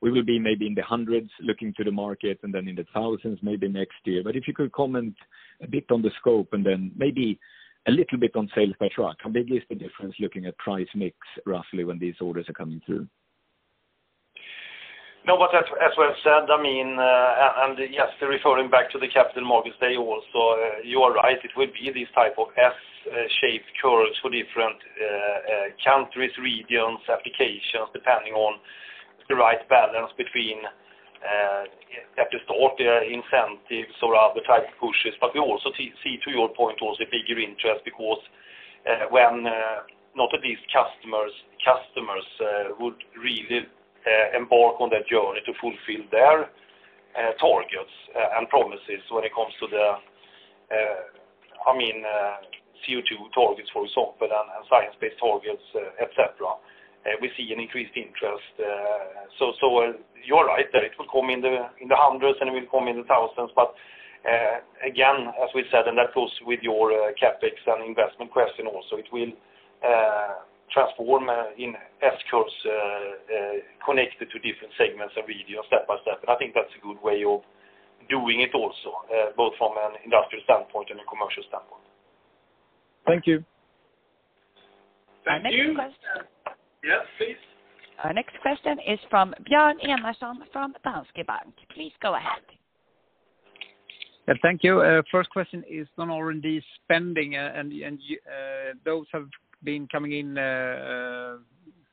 we will be maybe in the hundreds looking to the market, and then in the thousands maybe next year. If you could comment a bit on the scope and then maybe a little bit on sales by truck. How big is the difference looking at price mix roughly when these orders are coming through? No, as we have said, and just referring back to the Capital Markets Day also, you are right. It will be this type of S-shaped curve for different countries, regions, applications, depending on the right balance between, you have to start incentives or other types of pushes. We also see to your point also a bigger interest, because when not at least customers would really embark on that journey to fulfill their targets and promises when it comes to the CO2 targets, for example, and science-based targets, et cetera. We see an increased interest. You're right that it will come in the hundreds, and it will come in the thousands. Again, as we said, and that goes with your CapEx and investment question also, it will transform in S-curves connected to different segments of ADO step by step. I think that's a good way of doing it also, both from an industrial standpoint and a commercial standpoint. Thank you. Thank you. Our next question- Yes, please. Our next question is from Björn Enarson from Danske Bank. Please go ahead. Thank you. First question is on R&D spending, those have been coming in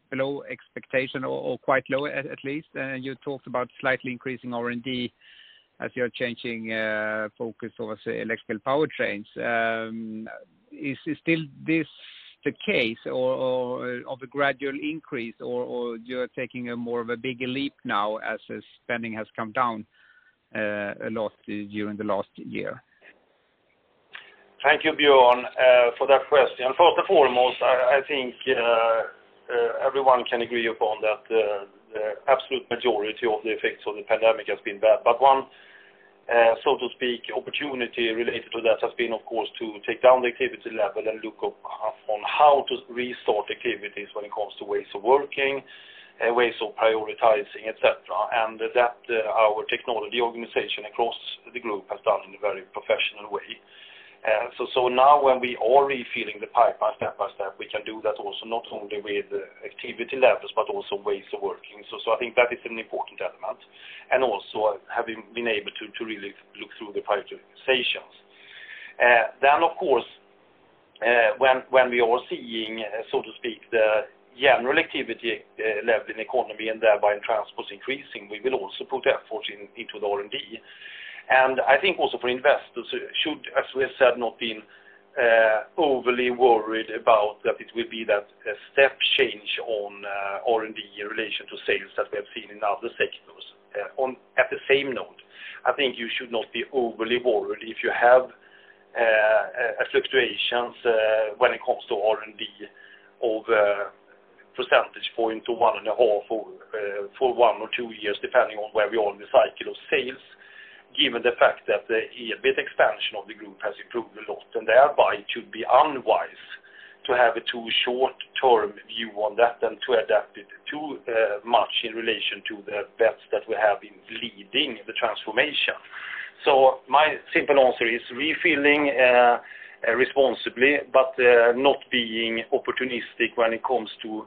below expectation or quite low at least. You talked about slightly increasing R&D as you're changing focus towards electrical powertrains. Is still this the case or of a gradual increase, or you're taking a more of a big leap now as spending has come down a lot during the last year? Thank you, Björn, for that question. First and foremost, I think everyone can agree upon that the absolute majority of the effects of the pandemic has been bad. One, so to speak, opportunity related to that has been, of course, to take down the activity level and look up on how to restart activities when it comes to ways of working, ways of prioritizing, et cetera. That our technology organization across the group has done in a very professional way. Now when we are refilling the pipeline step by step, we can do that also not only with activity levels but also ways of working. I think that is an important element. Also having been able to really look through the prioritization. Of course, when we are seeing, so to speak, the general activity level in economy and thereby transports increasing, we will also put effort into the R&D. I think also for investors should, as we have said, not been overly worried about that it will be that step change on R&D in relation to sales that we have seen in other sectors. At the same note, I think you should not be overly worried if you have fluctuations when it comes to R&D of percentage point to 1.5 for one or two years, depending on where we are in the cycle of sales, given the fact that the EBIT expansion of the group has improved a lot. Thereby it should be unwise to have a too short-term view on that and to adapt it too much in relation to the bets that we have in leading the transformation. My simple answer is refilling responsibly, but not being opportunistic when it comes to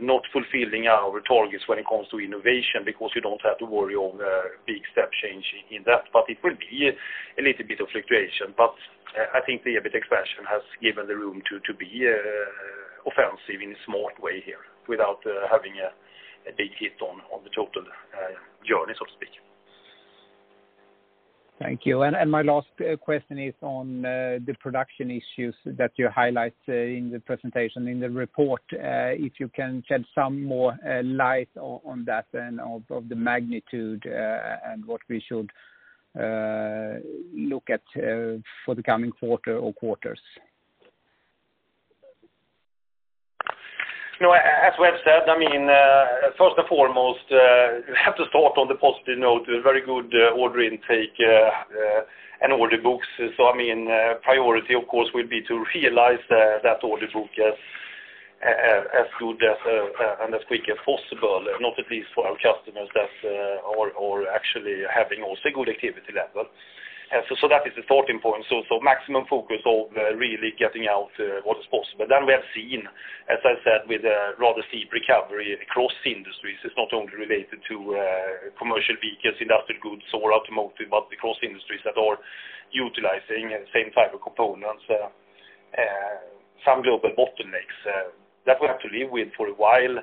not fulfilling our targets when it comes to innovation, because you don't have to worry of big step change in that. It will be a little bit of fluctuation. I think the EBIT expansion has given the room to be offensive in a smart way here without having a big hit on the total journey, so to speak. Thank you. My last question is on the production issues that you highlight in the presentation in the report. If you can shed some more light on that and of the magnitude, and what we should look at for the coming quarter or quarters. No, as we have said, first and foremost, we have to start on the positive note, a very good order intake and order books. Priority of course, will be to realize that order book as good and as quick as possible, not at least for our customers that are actually having also a good activity level. That is the starting point. Maximum focus of really getting out what is possible. We have seen, as I said, with a rather steep recovery across industries, it's not only related to commercial vehicles, industrial goods or automotive, but because industries that are utilizing same type of components, some global bottlenecks. That we have to live with for a while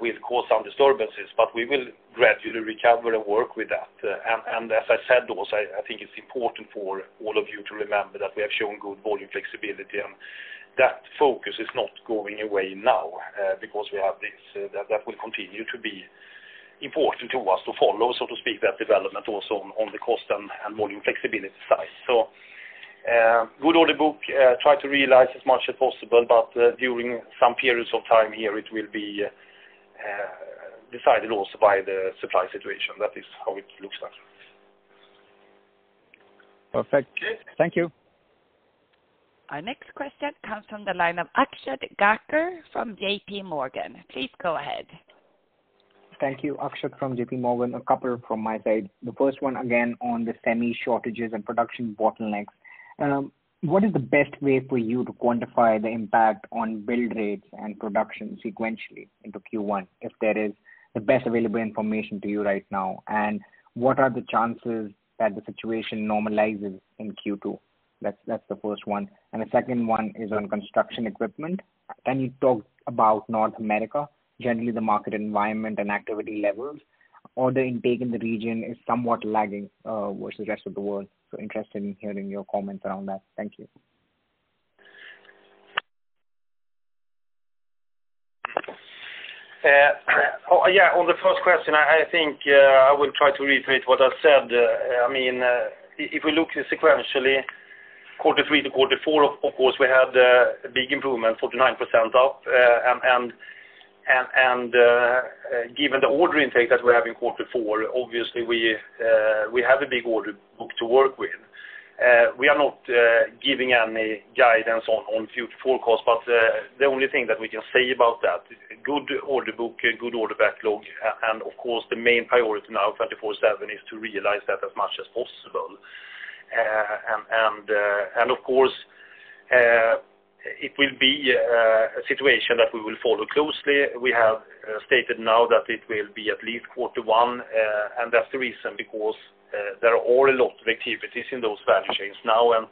will cause some disturbances, but we will gradually recover and work with that. As I said, also, I think it's important for all of you to remember that we have shown good volume flexibility, and that focus is not going away now because we have this, that will continue to be important to us to follow, so to speak, that development also on the cost and volume flexibility side. Good order book, try to realize as much as possible, but during some periods of time here, it will be decided also by the supply situation. That is how it looks like. Perfect. Okay. Thank you. Our next question comes from the line of Akshat Kacker from JPMorgan. Please go ahead. Thank you. Akshat from JPMorgan, a couple from my side. The first one again on the semi shortages and production bottlenecks. What is the best way for you to quantify the impact on build rates and production sequentially into Q1, if there is the best available information to you right now? What are the chances that the situation normalizes in Q2? That's the first one. The second one is on construction equipment. Can you talk about North America? Generally, the market environment and activity levels. Order intake in the region is somewhat lagging, versus the rest of the world. Interested in hearing your comments around that. Thank you. Yeah. On the first question, I think I will try to reiterate what I said. If we look sequentially, quarter three to quarter four, of course, we had a big improvement, 49% up. Given the order intake that we have in quarter four, obviously we have a big order book to work with. We are not giving any guidance on future forecast, the only thing that we can say about that, good order book, good order backlog, and of course the main priority now, 24/7, is to realize that as much as possible. Of course, it will be a situation that we will follow closely. We have stated now that it will be at least quarter one, and that's the reason, because there are a lot of activities in those value chains now, and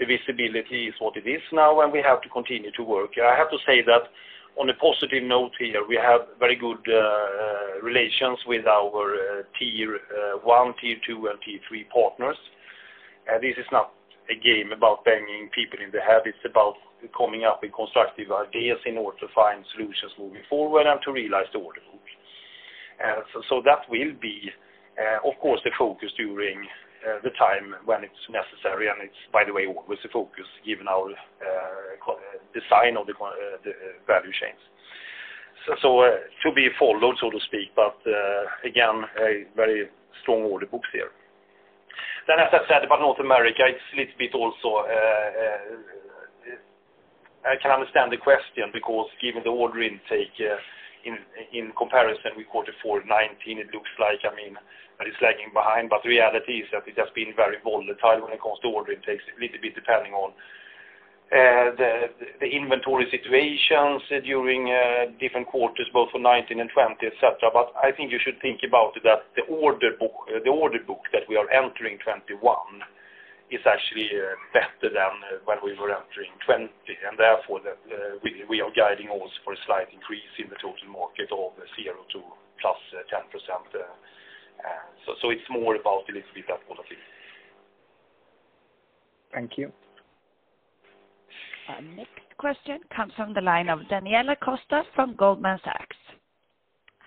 the visibility is what it is now, and we have to continue to work. I have to say that on a positive note here, we have very good relations with our Tier 1, Tier 2, and Tier 3 partners. This is not a game about banging people in the head. It's about coming up with constructive ideas in order to find solutions moving forward and to realize the order book. That will be, of course, the focus during the time when it's necessary, and it's, by the way, always the focus given our design of the value chains. To be followed, so to speak, but again, a very strong order book there. As I said about North America, I can understand the question, because given the order intake in comparison with Q4 2019, it looks like it's lagging behind. Reality is that it has been very volatile when it comes to order intakes, a little bit depending on the inventory situations during different quarters, both for 2019 and 2020, et cetera. I think you should think about that the order book that we are entering 2021 is actually better than when we were entering 2020, and therefore, we are guiding also for a slight increase in the total market of 0% to +10%. It's more about a little bit that quality. Thank you. Next question comes from the line of Daniela Costa from Goldman Sachs.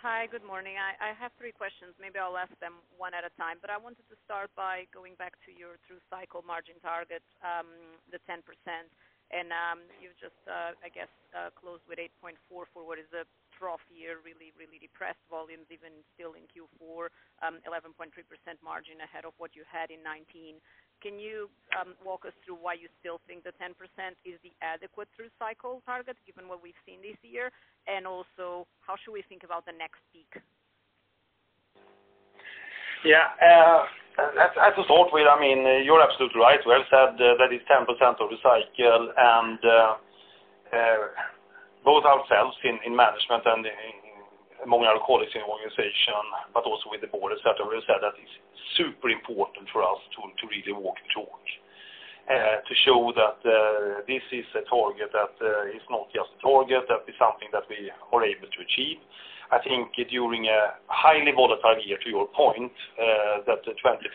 Hi, good morning. I have three questions. Maybe I'll ask them one at a time, but I wanted to start by going back to your true cycle margin target, the 10%. You've just, I guess, closed with 8.4% for what is a trough year, really, really depressed volumes, even still in Q4, 11.3% margin ahead of what you had in 2019. Can you walk us through why you still think the 10% is the adequate true cycle target, given what we've seen this year? Also, how should we think about the next peak? As a start with, you're absolutely right. Well said. That is 10% of the cycle, and both ourselves in management and among our colleagues in the organization, but also with the board, et cetera, we said that is super important for us to really work towards. To show that this is a target that is not just a target, that is something that we are able to achieve. I think during a highly volatile year, to your point, that 2020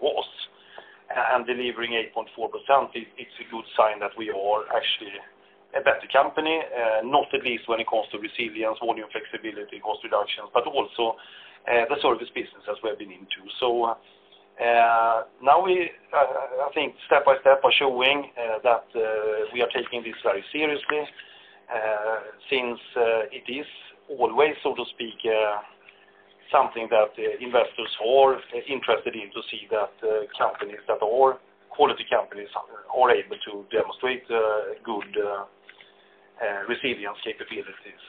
was, and delivering 8.4%, it's a good sign that we are actually a better company. Not at least when it comes to resilience, volume flexibility, cost reductions, but also the service business as we have been into. Now we, I think, step by step are showing that we are taking this very seriously, since it is always, so to speak, something that investors are interested in to see that companies that are quality companies are able to demonstrate good resilience capabilities.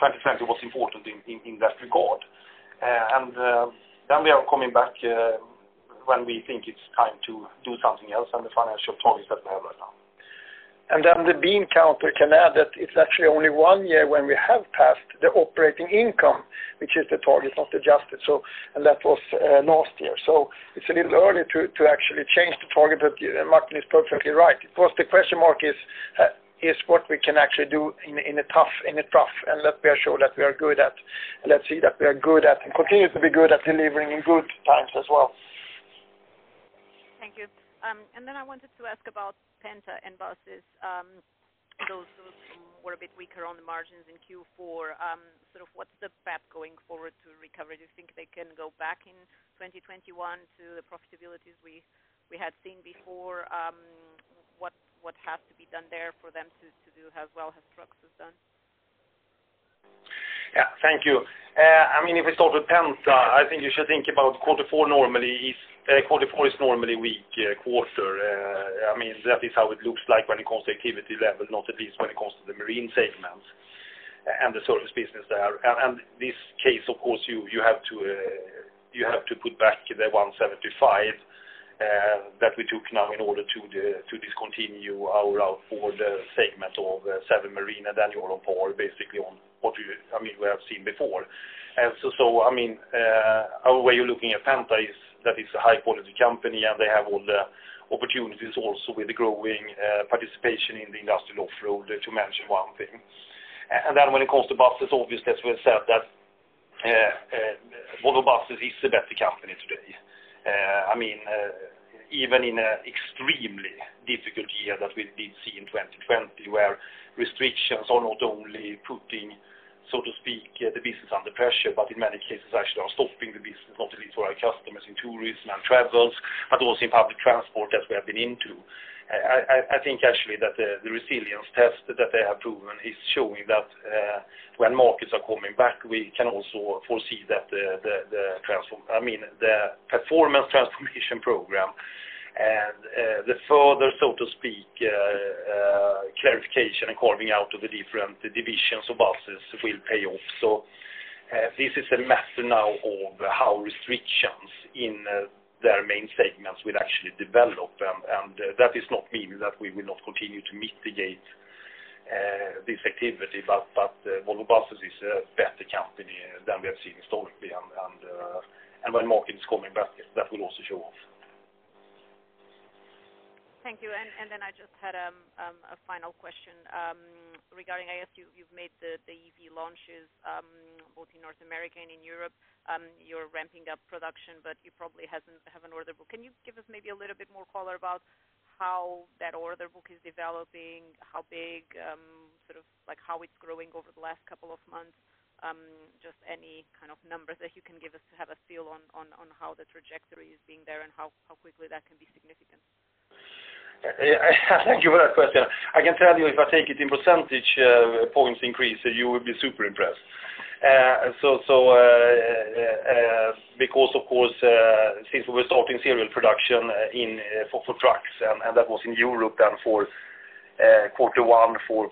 2020 was important in that regard. Then we are coming back when we think it's time to do something else than the financial targets that we have right now. Then the bean counter can add that it's actually only one year when we have passed the operating income, which is the target, not adjusted, and that was last year. It's a little early to actually change the target, but Martin is perfectly right. Of course, the question mark is what we can actually do in a trough, and that we are sure that we are good at, and let's see that we are good at, and continue to be good at delivering in good times as well. Thank you. Then I wanted to ask about Penta and buses. Those were a bit weaker on the margins in Q4. What's the path going forward to recovery? Do you think they can go back in 2021 to the profitabilities we had seen before? What has to be done there for them to do as well as trucks has done? Thank you. We start with Penta, I think you should think about Q4 is normally weak quarter. That is how it looks like when it comes to activity level, not at least when it comes to the marine segment and the service business there. This case, of course, you have to put back the 175 million that we took now in order to discontinue our outboard segment of Seven Marine and annual report, basically on what we have seen before. Our way of looking at Penta is that it's a high-quality company, they have all the opportunities also with the growing participation in the industrial off-road, to mention one thing. When it comes to buses, obviously, as we have said that Volvo Buses is a better company today. Even in an extremely difficult year that we've been seeing 2020, where restrictions are not only putting, so to speak, the business under pressure, but in many cases actually are stopping the business, not only for our customers in tourism and travels, but also in public transport as we have been into. I think actually that the resilience test that they have proven is showing that when markets are coming back, we can also foresee that the performance transformation program and the further, so to speak, clarification and carving out of the different divisions of buses will pay off. This is a matter now of how restrictions in their main segments will actually develop. That does not mean that we will not continue to mitigate this activity, but Volvo Buses is a better company than we have seen historically. When market is coming back, that will also show off. Thank you. I just had a final question regarding, I guess you've made the EV launches, both in North America and in Europe. You're ramping up production, but you probably have an order book. Can you give us maybe a little bit more color about how that order book is developing? How big, how it's growing over the last couple of months? Just any kind of numbers that you can give us to have a feel on how the trajectory is being there and how quickly that can be significant. Thank you for that question. I can tell you if I take it in percentage points increase, you will be super impressed. Of course, since we're starting serial production for trucks, and that was in Europe then for quarter one for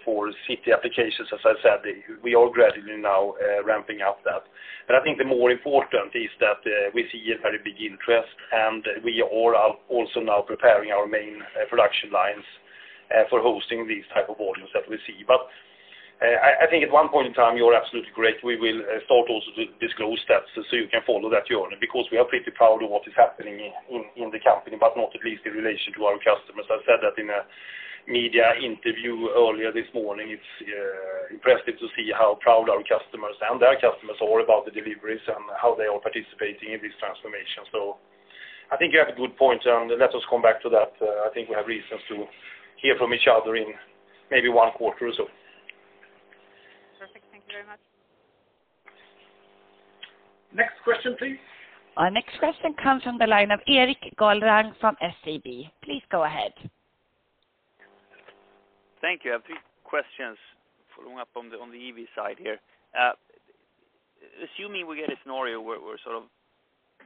city applications, as I said, we are gradually now ramping up that. I think the more important is that we see a very big interest, and we are also now preparing our main production lines for hosting these type of volumes that we see. I think at one point in time, you are absolutely correct. We will start also to disclose that so you can follow that journey, because we are pretty proud of what is happening in the company, but not at least in relation to our customers. I said that in a media interview earlier this morning. It's impressive to see how proud our customers and their customers are about the deliveries and how they are participating in this transformation. I think you have a good point, and let us come back to that. I think we have reasons to hear from each other in maybe one quarter or so. Perfect. Thank you very much. Next question, please. Our next question comes from the line of Erik Golrang from SEB. Please go ahead. Thank you. A few questions following up on the EV side here. Assuming we get a scenario where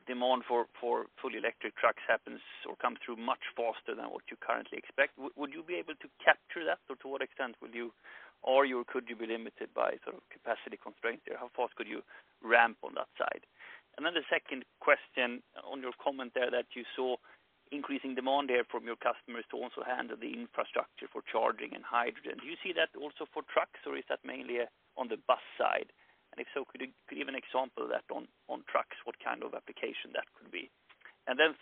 demand for fully electric trucks happens or comes through much faster than what you currently expect, would you be able to capture that? To what extent will you or could you be limited by capacity constraints there? How fast could you ramp on that side? The second question on your comment there that you saw increasing demand there from your customers to also handle the infrastructure for charging and hydrogen. Do you see that also for trucks, or is that mainly on the bus side? If so, could you give an example of that on trucks? What kind of application that could be?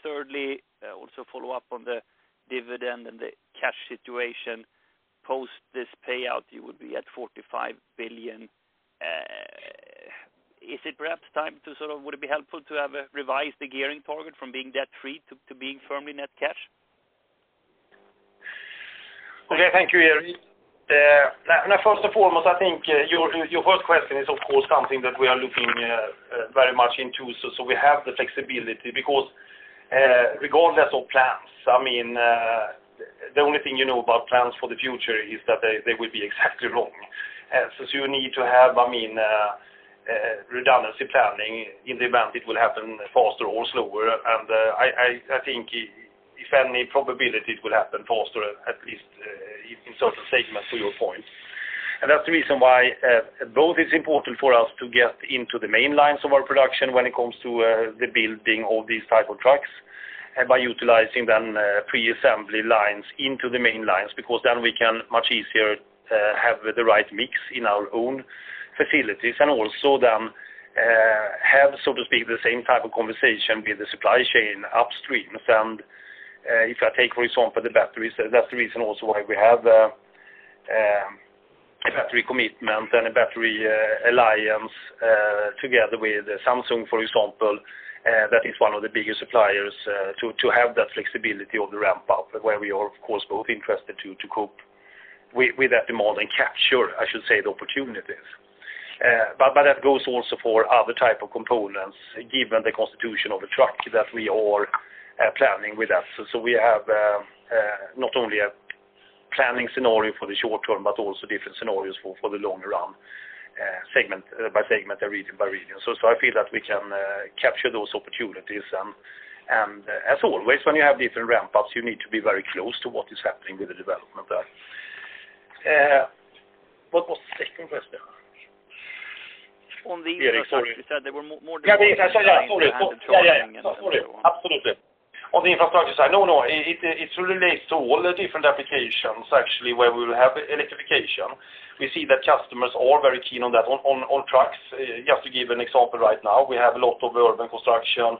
Thirdly, also follow up on the dividend and the cash situation. Post this payout, you would be at 45 billion. Would it be helpful to have a revised gearing target from being debt-free to being firmly net cash? Okay. Thank you, Erik. First and foremost, I think your first question is, of course, something that we are looking very much into. We have the flexibility because, regardless of plans, the only thing you know about plans for the future is that they will be exactly wrong. You need to have redundancy planning in the event it will happen faster or slower. I think if any probability it will happen faster, at least in certain segments to your point. That's the reason why both is important for us to get into the main lines of our production when it comes to the building of these type of trucks, and by utilizing then pre-assembly lines into the main lines, because then we can much easier have the right mix in our own facilities and also then have, so to speak, the same type of conversation with the supply chain upstream. If I take, for example, the batteries, that's the reason also why we have a battery commitment and a battery alliance together with Samsung, for example, that is one of the biggest suppliers to have that flexibility of the ramp-up where we are, of course, both interested to cope with that demand and capture, I should say, the opportunities. That goes also for other type of components, given the constitution of the truck that we are planning with that. We have not only a planning scenario for the short term, but also different scenarios for the long run, segment by segment and region by region. I feel that we can capture those opportunities, and as always, when you have different ramp-ups, you need to be very close to what is happening with the development there. What was the second question? On the infrastructure, you said there were more- Yeah, absolutely. On the infrastructure side. It relates to all the different applications actually, where we will have electrification. We see that customers are very keen on that. On trucks, just to give an example right now, we have a lot of urban construction.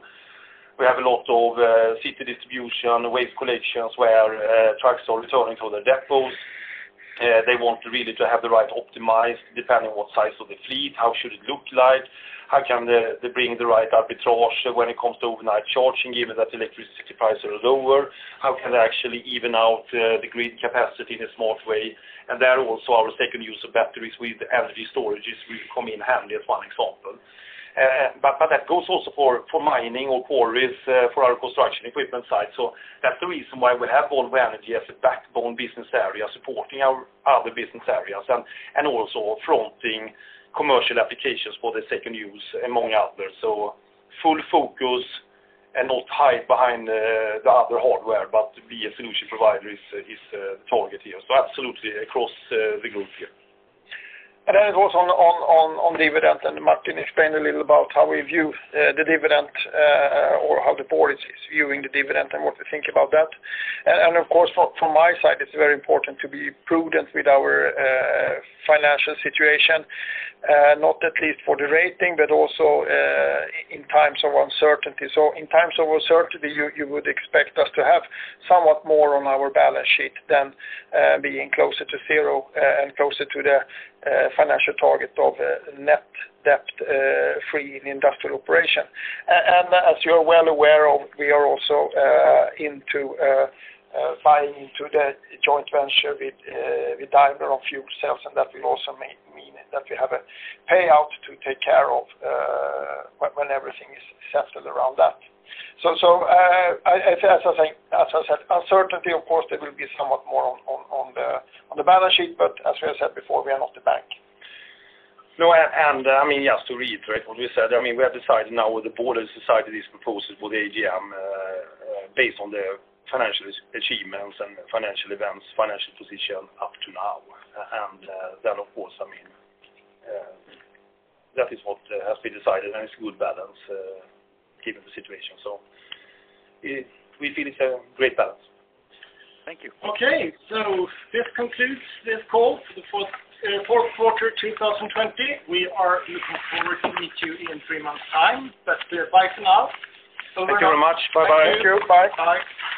We have a lot of city distribution, waste collections where trucks are returning to their depots. They want really to have the right optimized, depending what size of the fleet, how should it look like? How can they bring the right arbitrage when it comes to overnight charging, given that electricity prices are lower? How can they actually even out the grid capacity in a smart way? There also our second use of batteries with energy storage is really come in handy as one example. That goes also for mining or quarries for our construction equipment side. That's the reason why we have Volvo Energy as a backbone business area supporting our other business areas, and also fronting commercial applications for the second use among others. Full focus and not hide behind the other hardware, but be a solution provider is the target here. Absolutely across the group here. Then it goes on dividend, and Martin explained a little about how we view the dividend or how the board is viewing the dividend and what we think about that. Of course, from my side, it's very important to be prudent with our financial situation, not at least for the rating, but also in times of uncertainty. In times of uncertainty, you would expect us to have somewhat more on our balance sheet than being closer to zero and closer to the financial target of net debt free in industrial operation. As you are well aware of, we are also into buying into the joint venture with Daimler on fuel cells, and that will also mean that we have a payout to take care of when everything is settled around that. As I said, uncertainty, of course, there will be somewhat more on the balance sheet, but as we have said before, we are not the bank. No, just to reiterate what you said, we have decided now the board has decided these proposals for the AGM based on the financial achievements and financial events, financial position up to now. Then, of course, that is what has been decided, and it's a good balance given the situation. We feel it's a great balance. Thank you. Okay, this concludes this call for the fourth quarter 2020. We are looking forward to meet you in three months time. Best regards. Bye for now. Thank you very much. Bye-bye. Thank you. Bye.